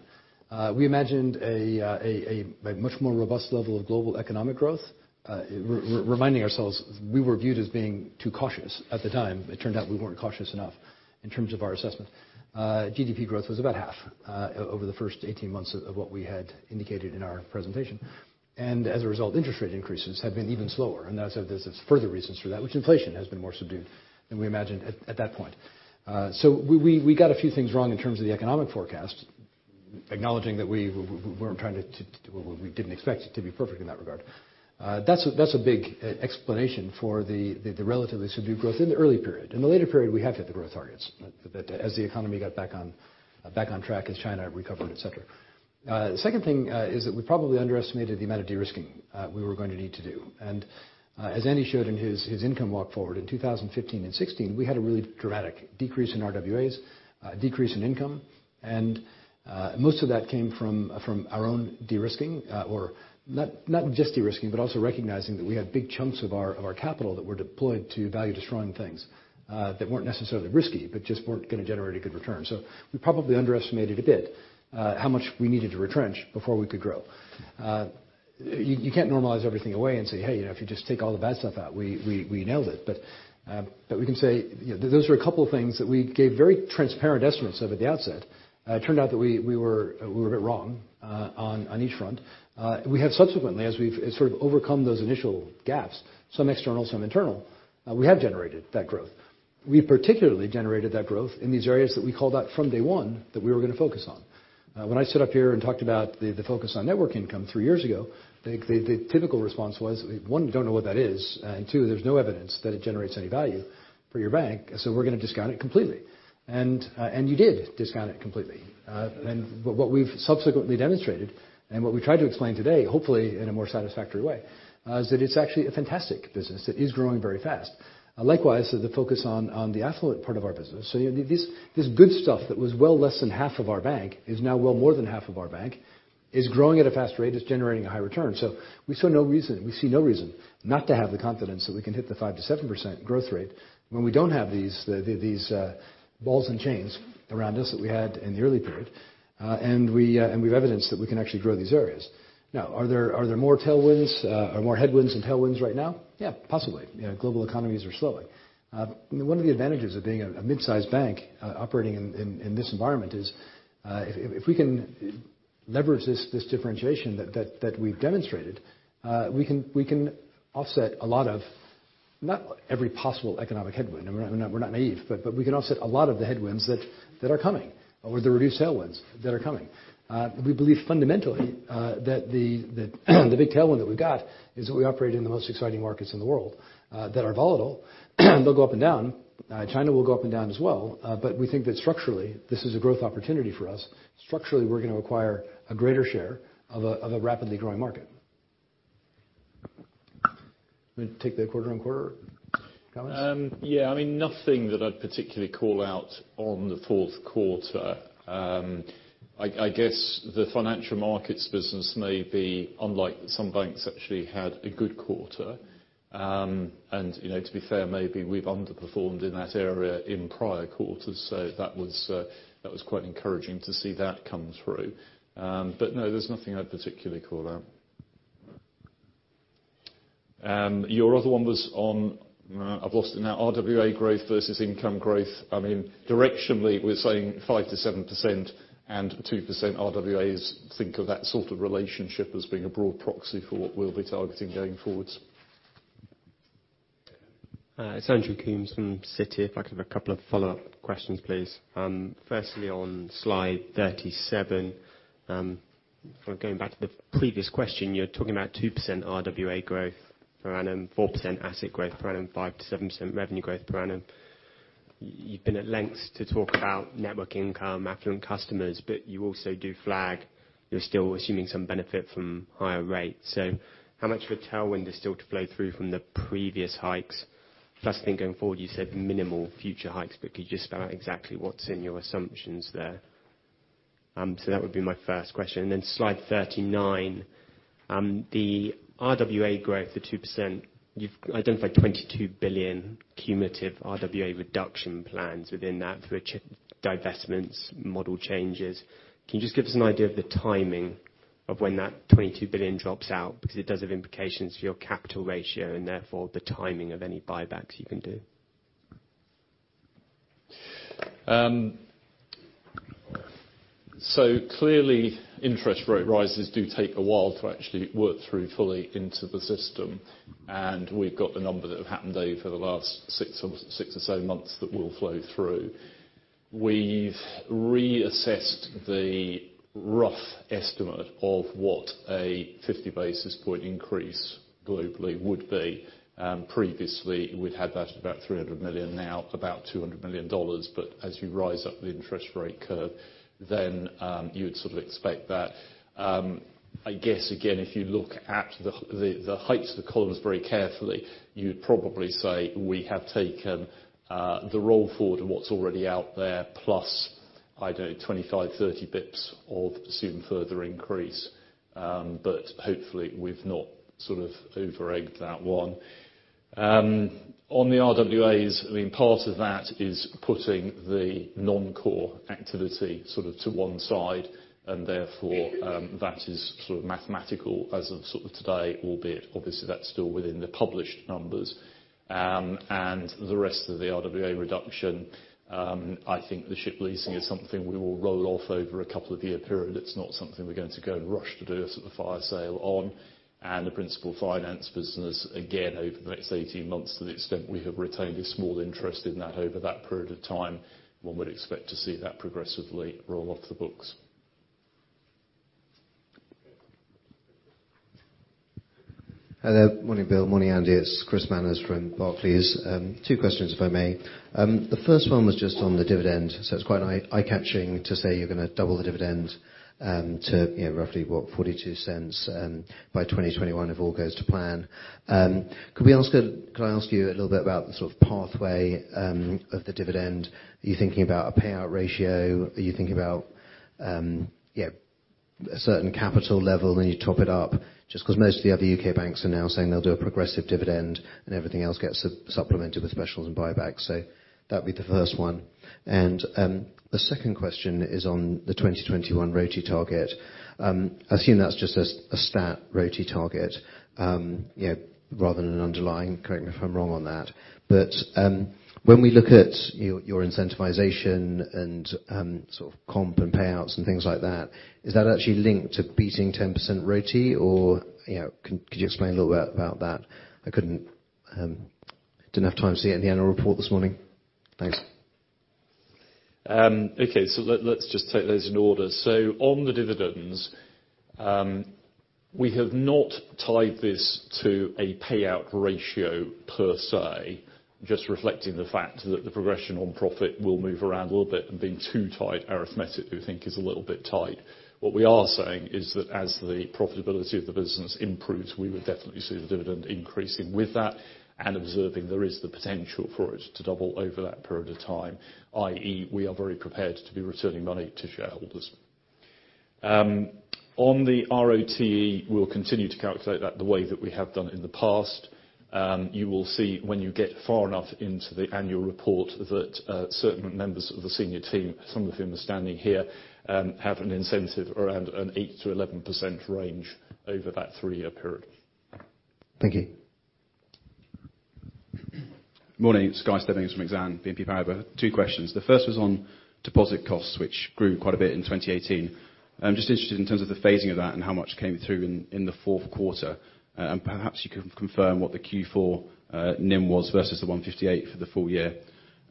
We imagined a much more robust level of global economic growth. Reminding ourselves we were viewed as being too cautious at the time. It turned out we weren't cautious enough in terms of our assessment. GDP growth was about half over the first 18 months of what we had indicated in our presentation. As a result, interest rate increases have been even slower. There's further reasons for that, which inflation has been more subdued than we imagined at that point. We got a few things wrong in terms of the economic forecast, acknowledging that we didn't expect it to be perfect in that regard. That's a big explanation for the relatively subdued growth in the early period. In the later period, we have hit the growth targets. As the economy got back on track as China recovered, et cetera. The second thing is that we probably underestimated the amount of de-risking we were going to need to do. As Andy showed in his income walk forward, in 2015 and 2016, we had a really dramatic decrease in RWAs, decrease in income, and most of that came from our own de-risking, or not just de-risking, but also recognizing that we had big chunks of our capital that were deployed to value destroying things, that weren't necessarily risky, but just weren't going to generate a good return. We probably underestimated a bit how much we needed to retrench before we could grow. You can't normalize everything away and say, "Hey, if you just take all the bad stuff out, we nailed it." We can say those are a couple of things that we gave very transparent estimates of at the outset. It turned out that we were a bit wrong on each front. We have subsequently, as we've sort of overcome those initial gaps, some external, some internal, we have generated that growth. We particularly generated that growth in these areas that we called out from day one that we were going to focus on. When I sat up here and talked about the focus on network income three years ago, the typical response was, one, we don't know what that is, and two, there's no evidence that it generates any value for your bank, so we're going to discount it completely. You did discount it completely. What we've subsequently demonstrated, and what we tried to explain today, hopefully in a more satisfactory way, is that it's actually a fantastic business that is growing very fast. Likewise, the focus on the affluent part of our business. This good stuff that was well less than half of our bank is now well more than half of our bank, is growing at a fast rate, is generating a high return. We see no reason not to have the confidence that we can hit the 5%-7% growth rate when we don't have these balls and chains around us that we had in the early period. We have evidence that we can actually grow these areas. Now, are there more headwinds than tailwinds right now? Yeah, possibly. Global economies are slowing. One of the advantages of being a mid-sized bank operating in this environment is if we can leverage this differentiation that we've demonstrated, we can offset a lot of, not every possible economic headwind. We're not naive. We can offset a lot of the headwinds that are coming or the reduced tailwinds that are coming. We believe fundamentally that the big tailwind that we've got is that we operate in the most exciting markets in the world that are volatile. They'll go up and down. China will go up and down as well. We think that structurally, this is a growth opportunity for us. Structurally, we're going to acquire a greater share of a rapidly growing market. You want to take the quarter-on-quarter comments? Yeah. Nothing that I'd particularly call out on the fourth quarter. I guess the Financial Markets business may be unlike some banks, actually had a good quarter. To be fair, maybe we've underperformed in that area in prior quarters. That was quite encouraging to see that come through. No, there's nothing I'd particularly call out. Your other one was on, I've lost it now, RWA growth versus income growth. Directionally, we're saying 5%-7% and 2% RWAs. Think of that sort of relationship as being a broad proxy for what we'll be targeting going forwards. It's Andrew Coombs from Citi. If I could have a couple of follow-up questions, please. Firstly, on slide 37, going back to the previous question, you were talking about 2% RWA growth per annum, 4% asset growth per annum, 5%-7% revenue growth per annum. You've been at lengths to talk about network income, affluent customers, but you also do flag you're still assuming some benefit from higher rates. How much of a tailwind is still to flow through from the previous hikes? I think going forward, you said minimal future hikes, but could you spell out exactly what's in your assumptions there? That would be my first question. Slide 39, the RWA growth, the 2%, you've identified $22 billion cumulative RWA reduction plans within that for divestments, model changes. Can you just give us an idea of the timing of when that $22 billion drops out? It does have implications for your capital ratio and therefore the timing of any buybacks you can do. Clearly, interest rate rises do take a while to actually work through fully into the system. We've got the number that have happened over the last six or so months that will flow through. We've reassessed the rough estimate of what a 50 basis point increase globally would be. Previously, we'd had that at about $300 million, now about $200 million. As you rise up the interest rate curve, you would sort of expect that. I guess, again, if you look at the heights of the columns very carefully, you would probably say we have taken the roll forward of what's already out there, plus, I don't know, 25, 30 basis points of the presumed further increase. Hopefully we've not over-egged that one. On the RWAs, part of that is putting the non-core activity to one side, therefore that is mathematical as of today, albeit obviously that's still within the published numbers. The rest of the RWA reduction, I think the ship leasing is something we will roll off over a couple of year period. It's not something we're going to go and rush to do a fire sale on. The principal finance business, again, over the next 18 months, to the extent we have retained a small interest in that over that period of time, one would expect to see that progressively roll off the books. Hello. Morning, Bill. Morning, Andy. It's Chris Manners from Barclays. Two questions, if I may. The first one was just on the dividend. It's quite eye-catching to say you're going to double the dividend to roughly, what, $0.42 by 2021 if all goes to plan. Could I ask you a little bit about the pathway of the dividend? Are you thinking about a payout ratio? Are you thinking about a certain capital level, then you top it up, just because most of the other U.K. banks are now saying they'll do a progressive dividend and everything else gets supplemented with specials and buybacks. That'd be the first one. The second question is on the 2021 ROTE target. I assume that's just a stat ROTE target, rather than an underlying. Correct me if I'm wrong on that. When we look at your incentivization and comp and payouts and things like that, is that actually linked to beating 10% ROTE? Could you explain a little bit about that? I didn't have time to see it in the annual report this morning. Thanks. Okay. Let's just take those in order. On the dividends, we have not tied this to a payout ratio per se, just reflecting the fact that the progression on profit will move around a little bit and being too tied arithmetic, we think is a little bit tied. What we are saying is that as the profitability of the business improves, we would definitely see the dividend increasing with that and observing there is the potential for it to double over that period of time, i.e., we are very prepared to be returning money to shareholders. On the ROTE, we'll continue to calculate that the way that we have done it in the past. You will see when you get far enough into the annual report that certain members of the senior team, some of whom are standing here, have an incentive around an 8%-11% range over that three-year period. Thank you. Morning, Guy Stebbings from Exane BNP Paribas. Two questions. The first was on deposit costs, which grew quite a bit in 2018. I'm just interested in terms of the phasing of that and how much came through in the fourth quarter. Perhaps you can confirm what the Q4 NIM was versus the 158 for the full year.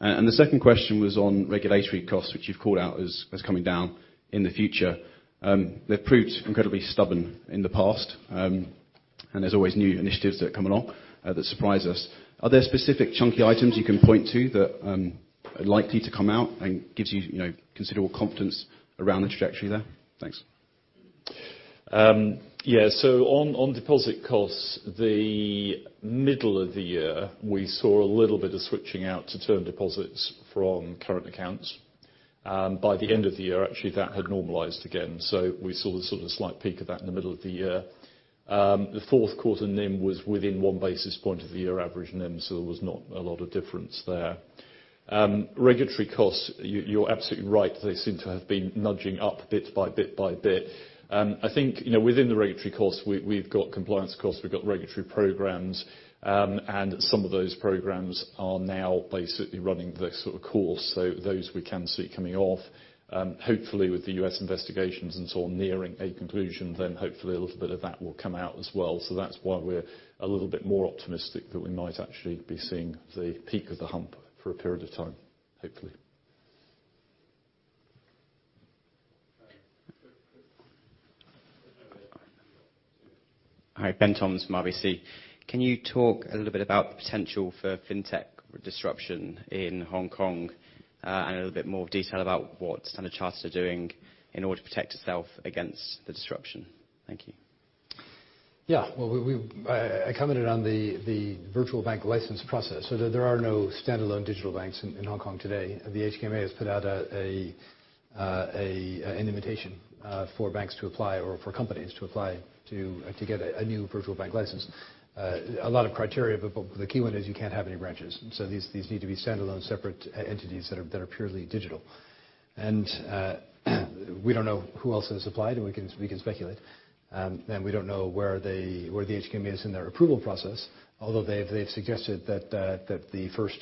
The second question was on regulatory costs, which you've called out as coming down in the future. They've proved incredibly stubborn in the past, and there's always new initiatives that come along that surprise us. Are there specific chunky items you can point to that are likely to come out and gives you considerable confidence around the trajectory there? Thanks. Yeah. On deposit costs, the middle of the year, we saw a little bit of switching out to term deposits from current accounts. By the end of the year, actually, that had normalized again. We saw the sort of slight peak of that in the middle of the year. The fourth quarter NIM was within one basis point of the year average NIM, so there was not a lot of difference there. Regulatory costs, you're absolutely right. They seem to have been nudging up bit by bit by bit. I think, within the regulatory costs, we've got compliance costs, we've got regulatory programs. Some of those programs are now basically running the sort of course. Those we can see coming off. Hopefully, with the U.S. investigations and so on nearing a conclusion, then hopefully a little bit of that will come out as well. That's why we're a little bit more optimistic that we might actually be seeing the peak of the hump for a period of time, hopefully. Hi, Benjamin Toms from RBC. Can you talk a little bit about the potential for fintech disruption in Hong Kong? A little bit more detail about what Standard Chartered are doing in order to protect itself against the disruption. Thank you. Well, I commented on the virtual bank license process. There are no standalone digital banks in Hong Kong today. The HKMA has put out an invitation for banks to apply or for companies to apply to get a new virtual bank license. A lot of criteria, but the key one is you can't have any branches. These need to be standalone, separate entities that are purely digital. We don't know who else has applied, and we can speculate. We don't know where the HKMA is in their approval process, although they've suggested that the first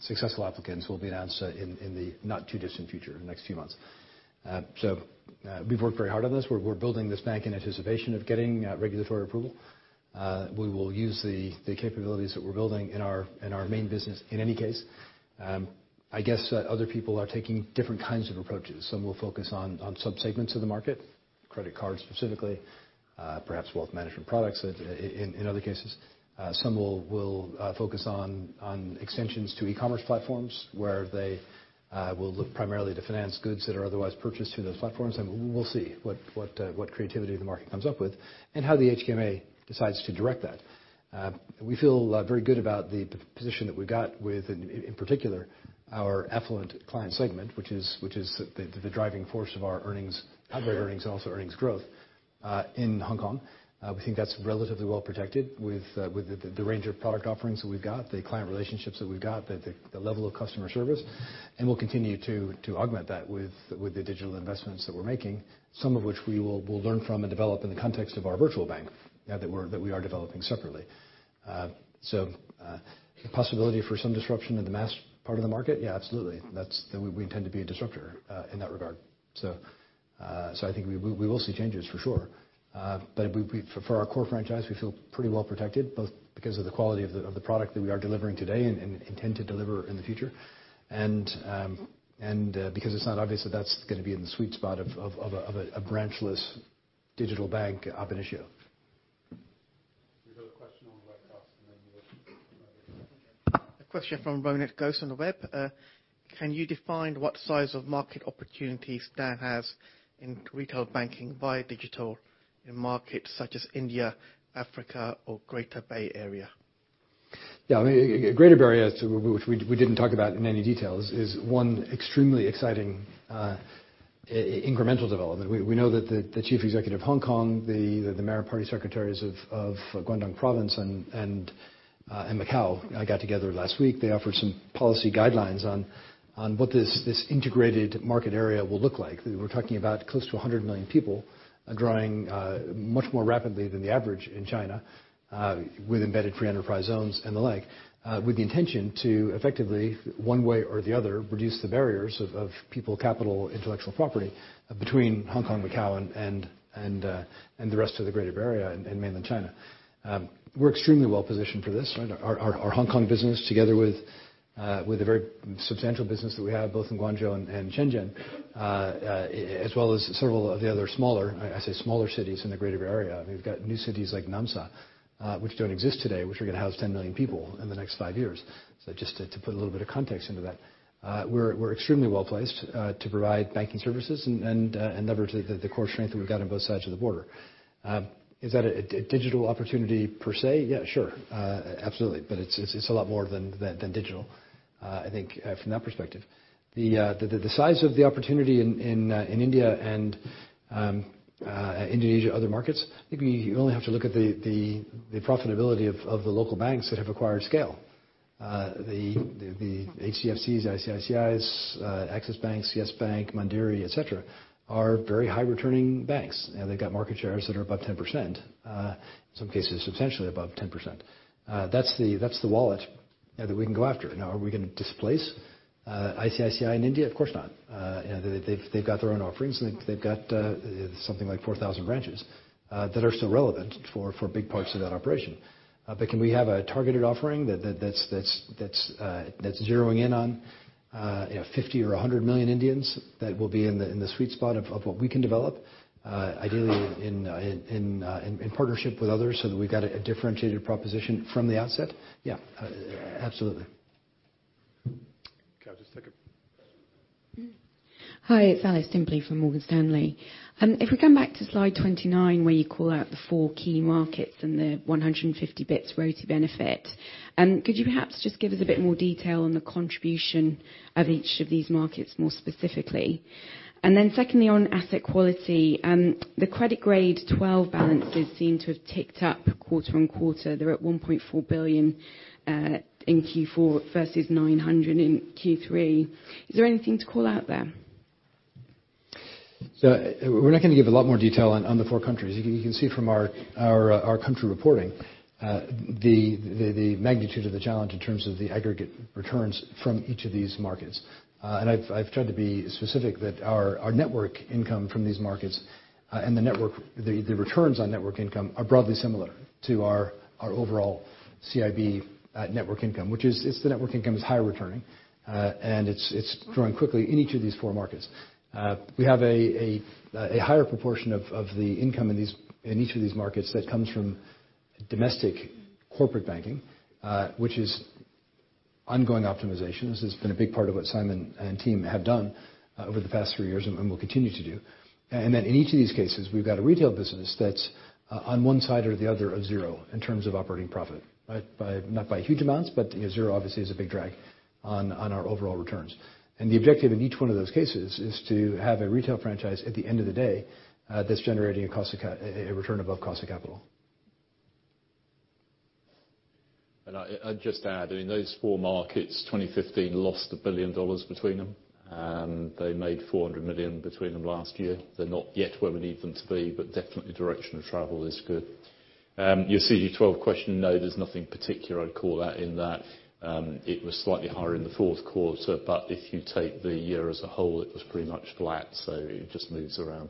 successful applicants will be announced in the not too distant future, in the next few months. We've worked very hard on this. We're building this bank in anticipation of getting regulatory approval. We will use the capabilities that we're building in our main business in any case. I guess other people are taking different kinds of approaches. Some will focus on subsegments of the market, credit cards specifically, perhaps wealth management products in other cases. Some will focus on extensions to e-commerce platforms, where they will look primarily to finance goods that are otherwise purchased through those platforms. We'll see what creativity the market comes up with and how the HKMA decides to direct that. We feel very good about the position that we got with, in particular, our affluent client segment, which is the driving force of our earnings, public earnings, and also earnings growth in Hong Kong. We think that's relatively well protected with the range of product offerings that we've got, the client relationships that we've got, the level of customer service. We'll continue to augment that with the digital investments that we're making, some of which we will learn from and develop in the context of our virtual bank that we are developing separately. The possibility for some disruption in the mass part of the market? Absolutely. We intend to be a disruptor in that regard. I think we will see changes for sure. For our core franchise, we feel pretty well protected, both because of the quality of the product that we are delivering today and intend to deliver in the future and because it's not obvious that that's going to be in the sweet spot of a branchless digital bank ab initio. We've got a question on the webcast. A question from Ronit Ghose on the web. Can you define what size of market opportunities Stan has in retail banking via digital in markets such as India, Africa, or Greater Bay Area? Yeah. Greater Bay Area, which we didn't talk about in any detail, is one extremely exciting incremental development. We know that the Chief Executive of Hong Kong, the Mayor Party Secretaries of Guangdong Province and Macau got together last week. They offered some policy guidelines on what this integrated market area will look like. We're talking about close to 100 million people growing much more rapidly than the average in China, with embedded free enterprise zones and the like, with the intention to effectively, one way or the other, reduce the barriers of people, capital, intellectual property between Hong Kong, Macau, and the rest of the Greater Bay Area in mainland China. We're extremely well-positioned for this. Our Hong Kong business, together with the very substantial business that we have both in Guangzhou and Shenzhen, as well as several of the other smaller, I say smaller cities in the Greater Bay Area. We've got new cities like Nansha, which don't exist today, which are going to house 10 million people in the next five years. Just to put a little bit of context into that. We're extremely well-placed to provide banking services and leverage the core strength that we've got on both sides of the border. Is that a digital opportunity per se? Yeah, sure. Absolutely. It's a lot more than digital, I think from that perspective. The size of the opportunity in India and Indonesia, other markets, I think you only have to look at the profitability of the local banks that have acquired scale. The HDFCs, ICICIs, Axis Banks, Yes Bank, Mandiri, et cetera, are very high returning banks. They've got market shares that are above 10%. In some cases, substantially above 10%. That's the wallet that we can go after. Are we going to displace ICICI in India? Of course not. They've got their own offerings and they've got something like 4,000 branches that are still relevant for big parts of that operation. Can we have a targeted offering that's zeroing in on 50 or 100 million Indians that will be in the sweet spot of what we can develop, ideally in partnership with others so that we've got a differentiated proposition from the outset? Yeah. Absolutely. Okay. Just a second. Hi, it's Alice Timperley from Morgan Stanley. If we come back to slide 29, where you call out the four key markets and the 150 basis points ROTE benefit, could you perhaps just give us a bit more detail on the contribution of each of these markets more specifically? Secondly, on asset quality, the credit grade 12 balances seem to have ticked up quarter on quarter. They're at $1.4 billion in Q4 versus $900 in Q3. Is there anything to call out there? We're not going to give a lot more detail on the four countries. You can see from our country reporting the magnitude of the challenge in terms of the aggregate returns from each of these markets. I've tried to be specific that our network income from these markets, and the returns on network income are broadly similar to our overall CIB network income. Which is, it's the network income is higher returning, and it's growing quickly in each of these four markets. We have a higher proportion of the income in each of these markets that comes from domestic corporate banking, which is ongoing optimization. This has been a big part of what Simon and team have done over the past few years and will continue to do. In each of these cases, we've got a retail business that's on one side or the other of zero in terms of operating profit. Not by huge amounts, but zero obviously is a big drag on our overall returns. The objective in each one of those cases is to have a retail franchise at the end of the day, that's generating a return above cost of capital. I'd just add, in those four markets, 2015 lost GBP 1 billion between them, and they made 400 million between them last year. They're not yet where we need them to be, but definitely direction of travel is good. Your CG12 question, no, there's nothing particular I'd call out in that. It was slightly higher in the fourth quarter, but if you take the year as a whole, it was pretty much flat. It just moves around.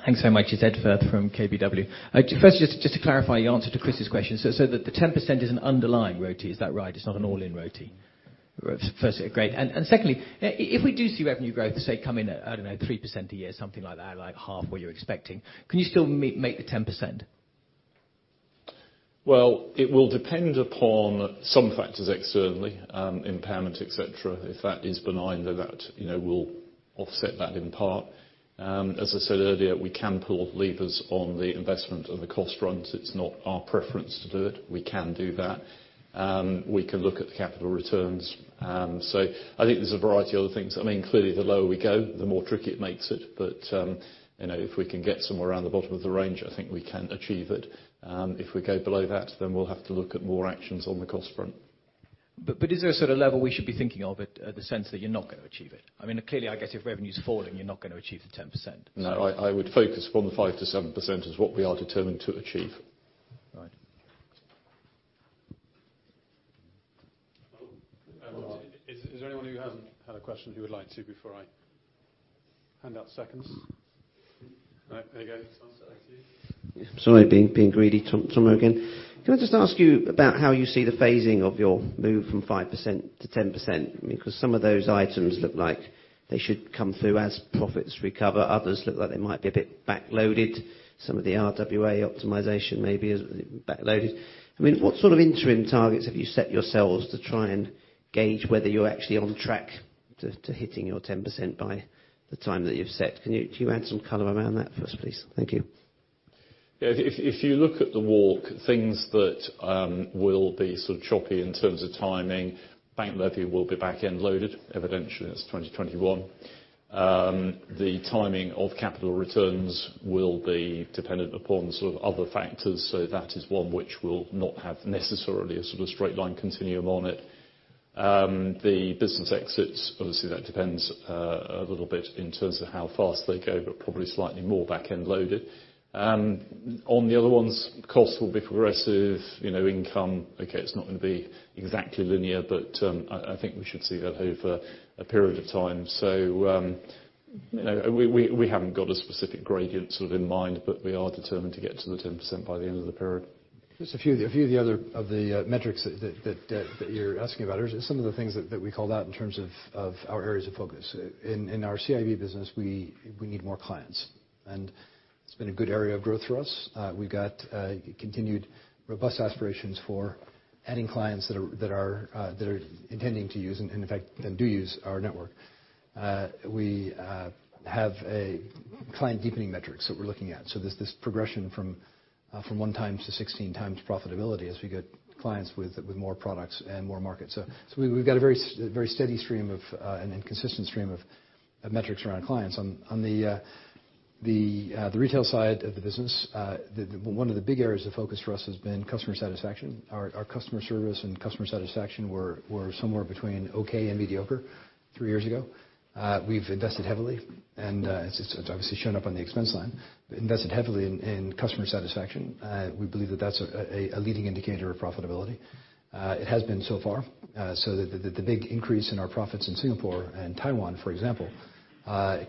Okay, Ed. Thanks so much. It's Edward Firth from KBW. First, just to clarify your answer to Chris's question, the 10% is an underlying ROTE, is that right? It's not an all-in ROTE. First, great. Secondly, if we do see revenue growth, say, come in at, I don't know, 3% a year, something like that, like half what you're expecting, can you still make the 10%? Well, it will depend upon some factors externally, impairment, et cetera. If that is benign, that will offset that in part. As I said earlier, we can pull levers on the investment and the cost front. It's not our preference to do it. We can do that. We can look at the capital returns. I think there's a variety of other things. Clearly, the lower we go, the more tricky it makes it. If we can get somewhere around the bottom of the range, I think we can achieve it. If we go below that, we'll have to look at more actions on the cost front. Is there a sort of level we should be thinking of at the sense that you're not going to achieve it? Clearly, I guess if revenue's falling, you're not going to achieve the 10%. No. I would focus from the 5%-7% is what we are determined to achieve. Right. Is there anyone who hasn't had a question who would like to before I hand out seconds? All right. There you go. Tom, sorry to you. Sorry, being greedy. Tom again. Can I just ask you about how you see the phasing of your move from 5% to 10%? Some of those items look like they should come through as profits recover. Others look like they might be a bit backloaded. Some of the RWA optimization may be backloaded. What sort of interim targets have you set yourselves to try and gauge whether you're actually on track to hitting your 10% by the time that you've set. Can you add some color around that for us, please? Thank you. If you look at the walk, things that will be sort of choppy in terms of timing, bank levy will be back end loaded. Evidentially, that's 2021. The timing of capital returns will be dependent upon sort of other factors. That is one which will not have necessarily a sort of straight line continuum on it. The business exits, obviously that depends a little bit in terms of how fast they go, but probably slightly more back end loaded. On the other ones, costs will be progressive, income, okay, it's not going to be exactly linear, but I think we should see that over a period of time. We haven't got a specific gradient sort of in mind, but we are determined to get to the 10% by the end of the period. Just a few of the other metrics that you're asking about are some of the things that we called out in terms of our areas of focus. In our CIB business, we need more clients. It's been a good area of growth for us. We've got continued robust aspirations for adding clients that are intending to use and in fact, then do use our network. We have a client deepening metrics that we're looking at. There's this progression from one times to 16 times profitability as we get clients with more products and more markets. We've got a very steady stream and consistent stream of metrics around clients. On the retail side of the business, one of the big areas of focus for us has been customer satisfaction. Our customer service and customer satisfaction were somewhere between okay and mediocre three years ago. We've invested heavily, and it's obviously shown up on the expense line. We invested heavily in customer satisfaction. We believe that that's a leading indicator of profitability. It has been so far. The big increase in our profits in Singapore and Taiwan, for example,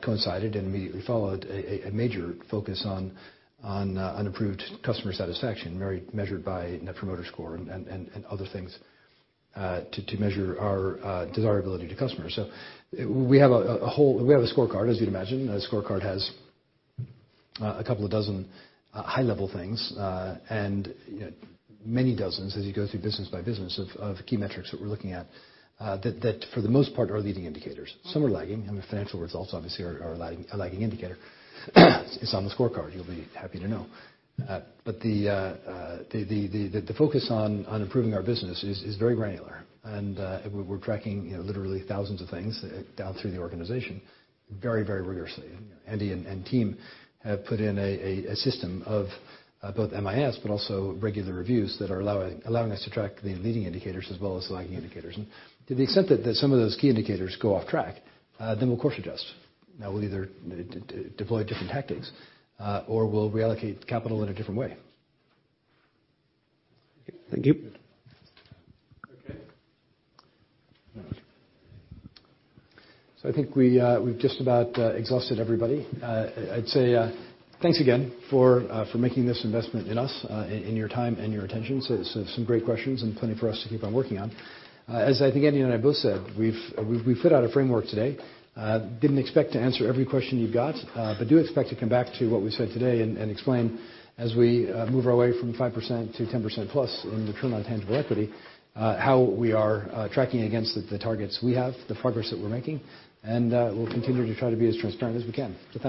coincided and immediately followed a major focus on improved customer satisfaction measured by Net Promoter Score and other things to measure our desirability to customers. We have a scorecard, as you'd imagine. The scorecard has a couple of dozen high level things. Many dozens as you go through business by business of key metrics that we're looking at that for the most part are leading indicators. Some are lagging. I mean, financial results obviously are a lagging indicator. It's on the scorecard, you'll be happy to know. The focus on improving our business is very granular. We're tracking literally thousands of things down through the organization very rigorously. Andy and team have put in a system of both MIS, but also regular reviews that are allowing us to track the leading indicators as well as lagging indicators. To the extent that some of those key indicators go off track, then we'll course adjust. We'll either deploy different tactics, or we'll reallocate capital in a different way. Thank you. Okay. I think we've just about exhausted everybody. I'd say thanks again for making this investment in us and your time and your attention. Some great questions and plenty for us to keep on working on. As I think Andy and I both said, we've put out a framework today. Didn't expect to answer every question you've got. Do expect to come back to what we said today and explain as we move our way from 5% to 10% plus in return on tangible equity, how we are tracking against the targets we have, the progress that we're making. We'll continue to try to be as transparent as we can. Thanks.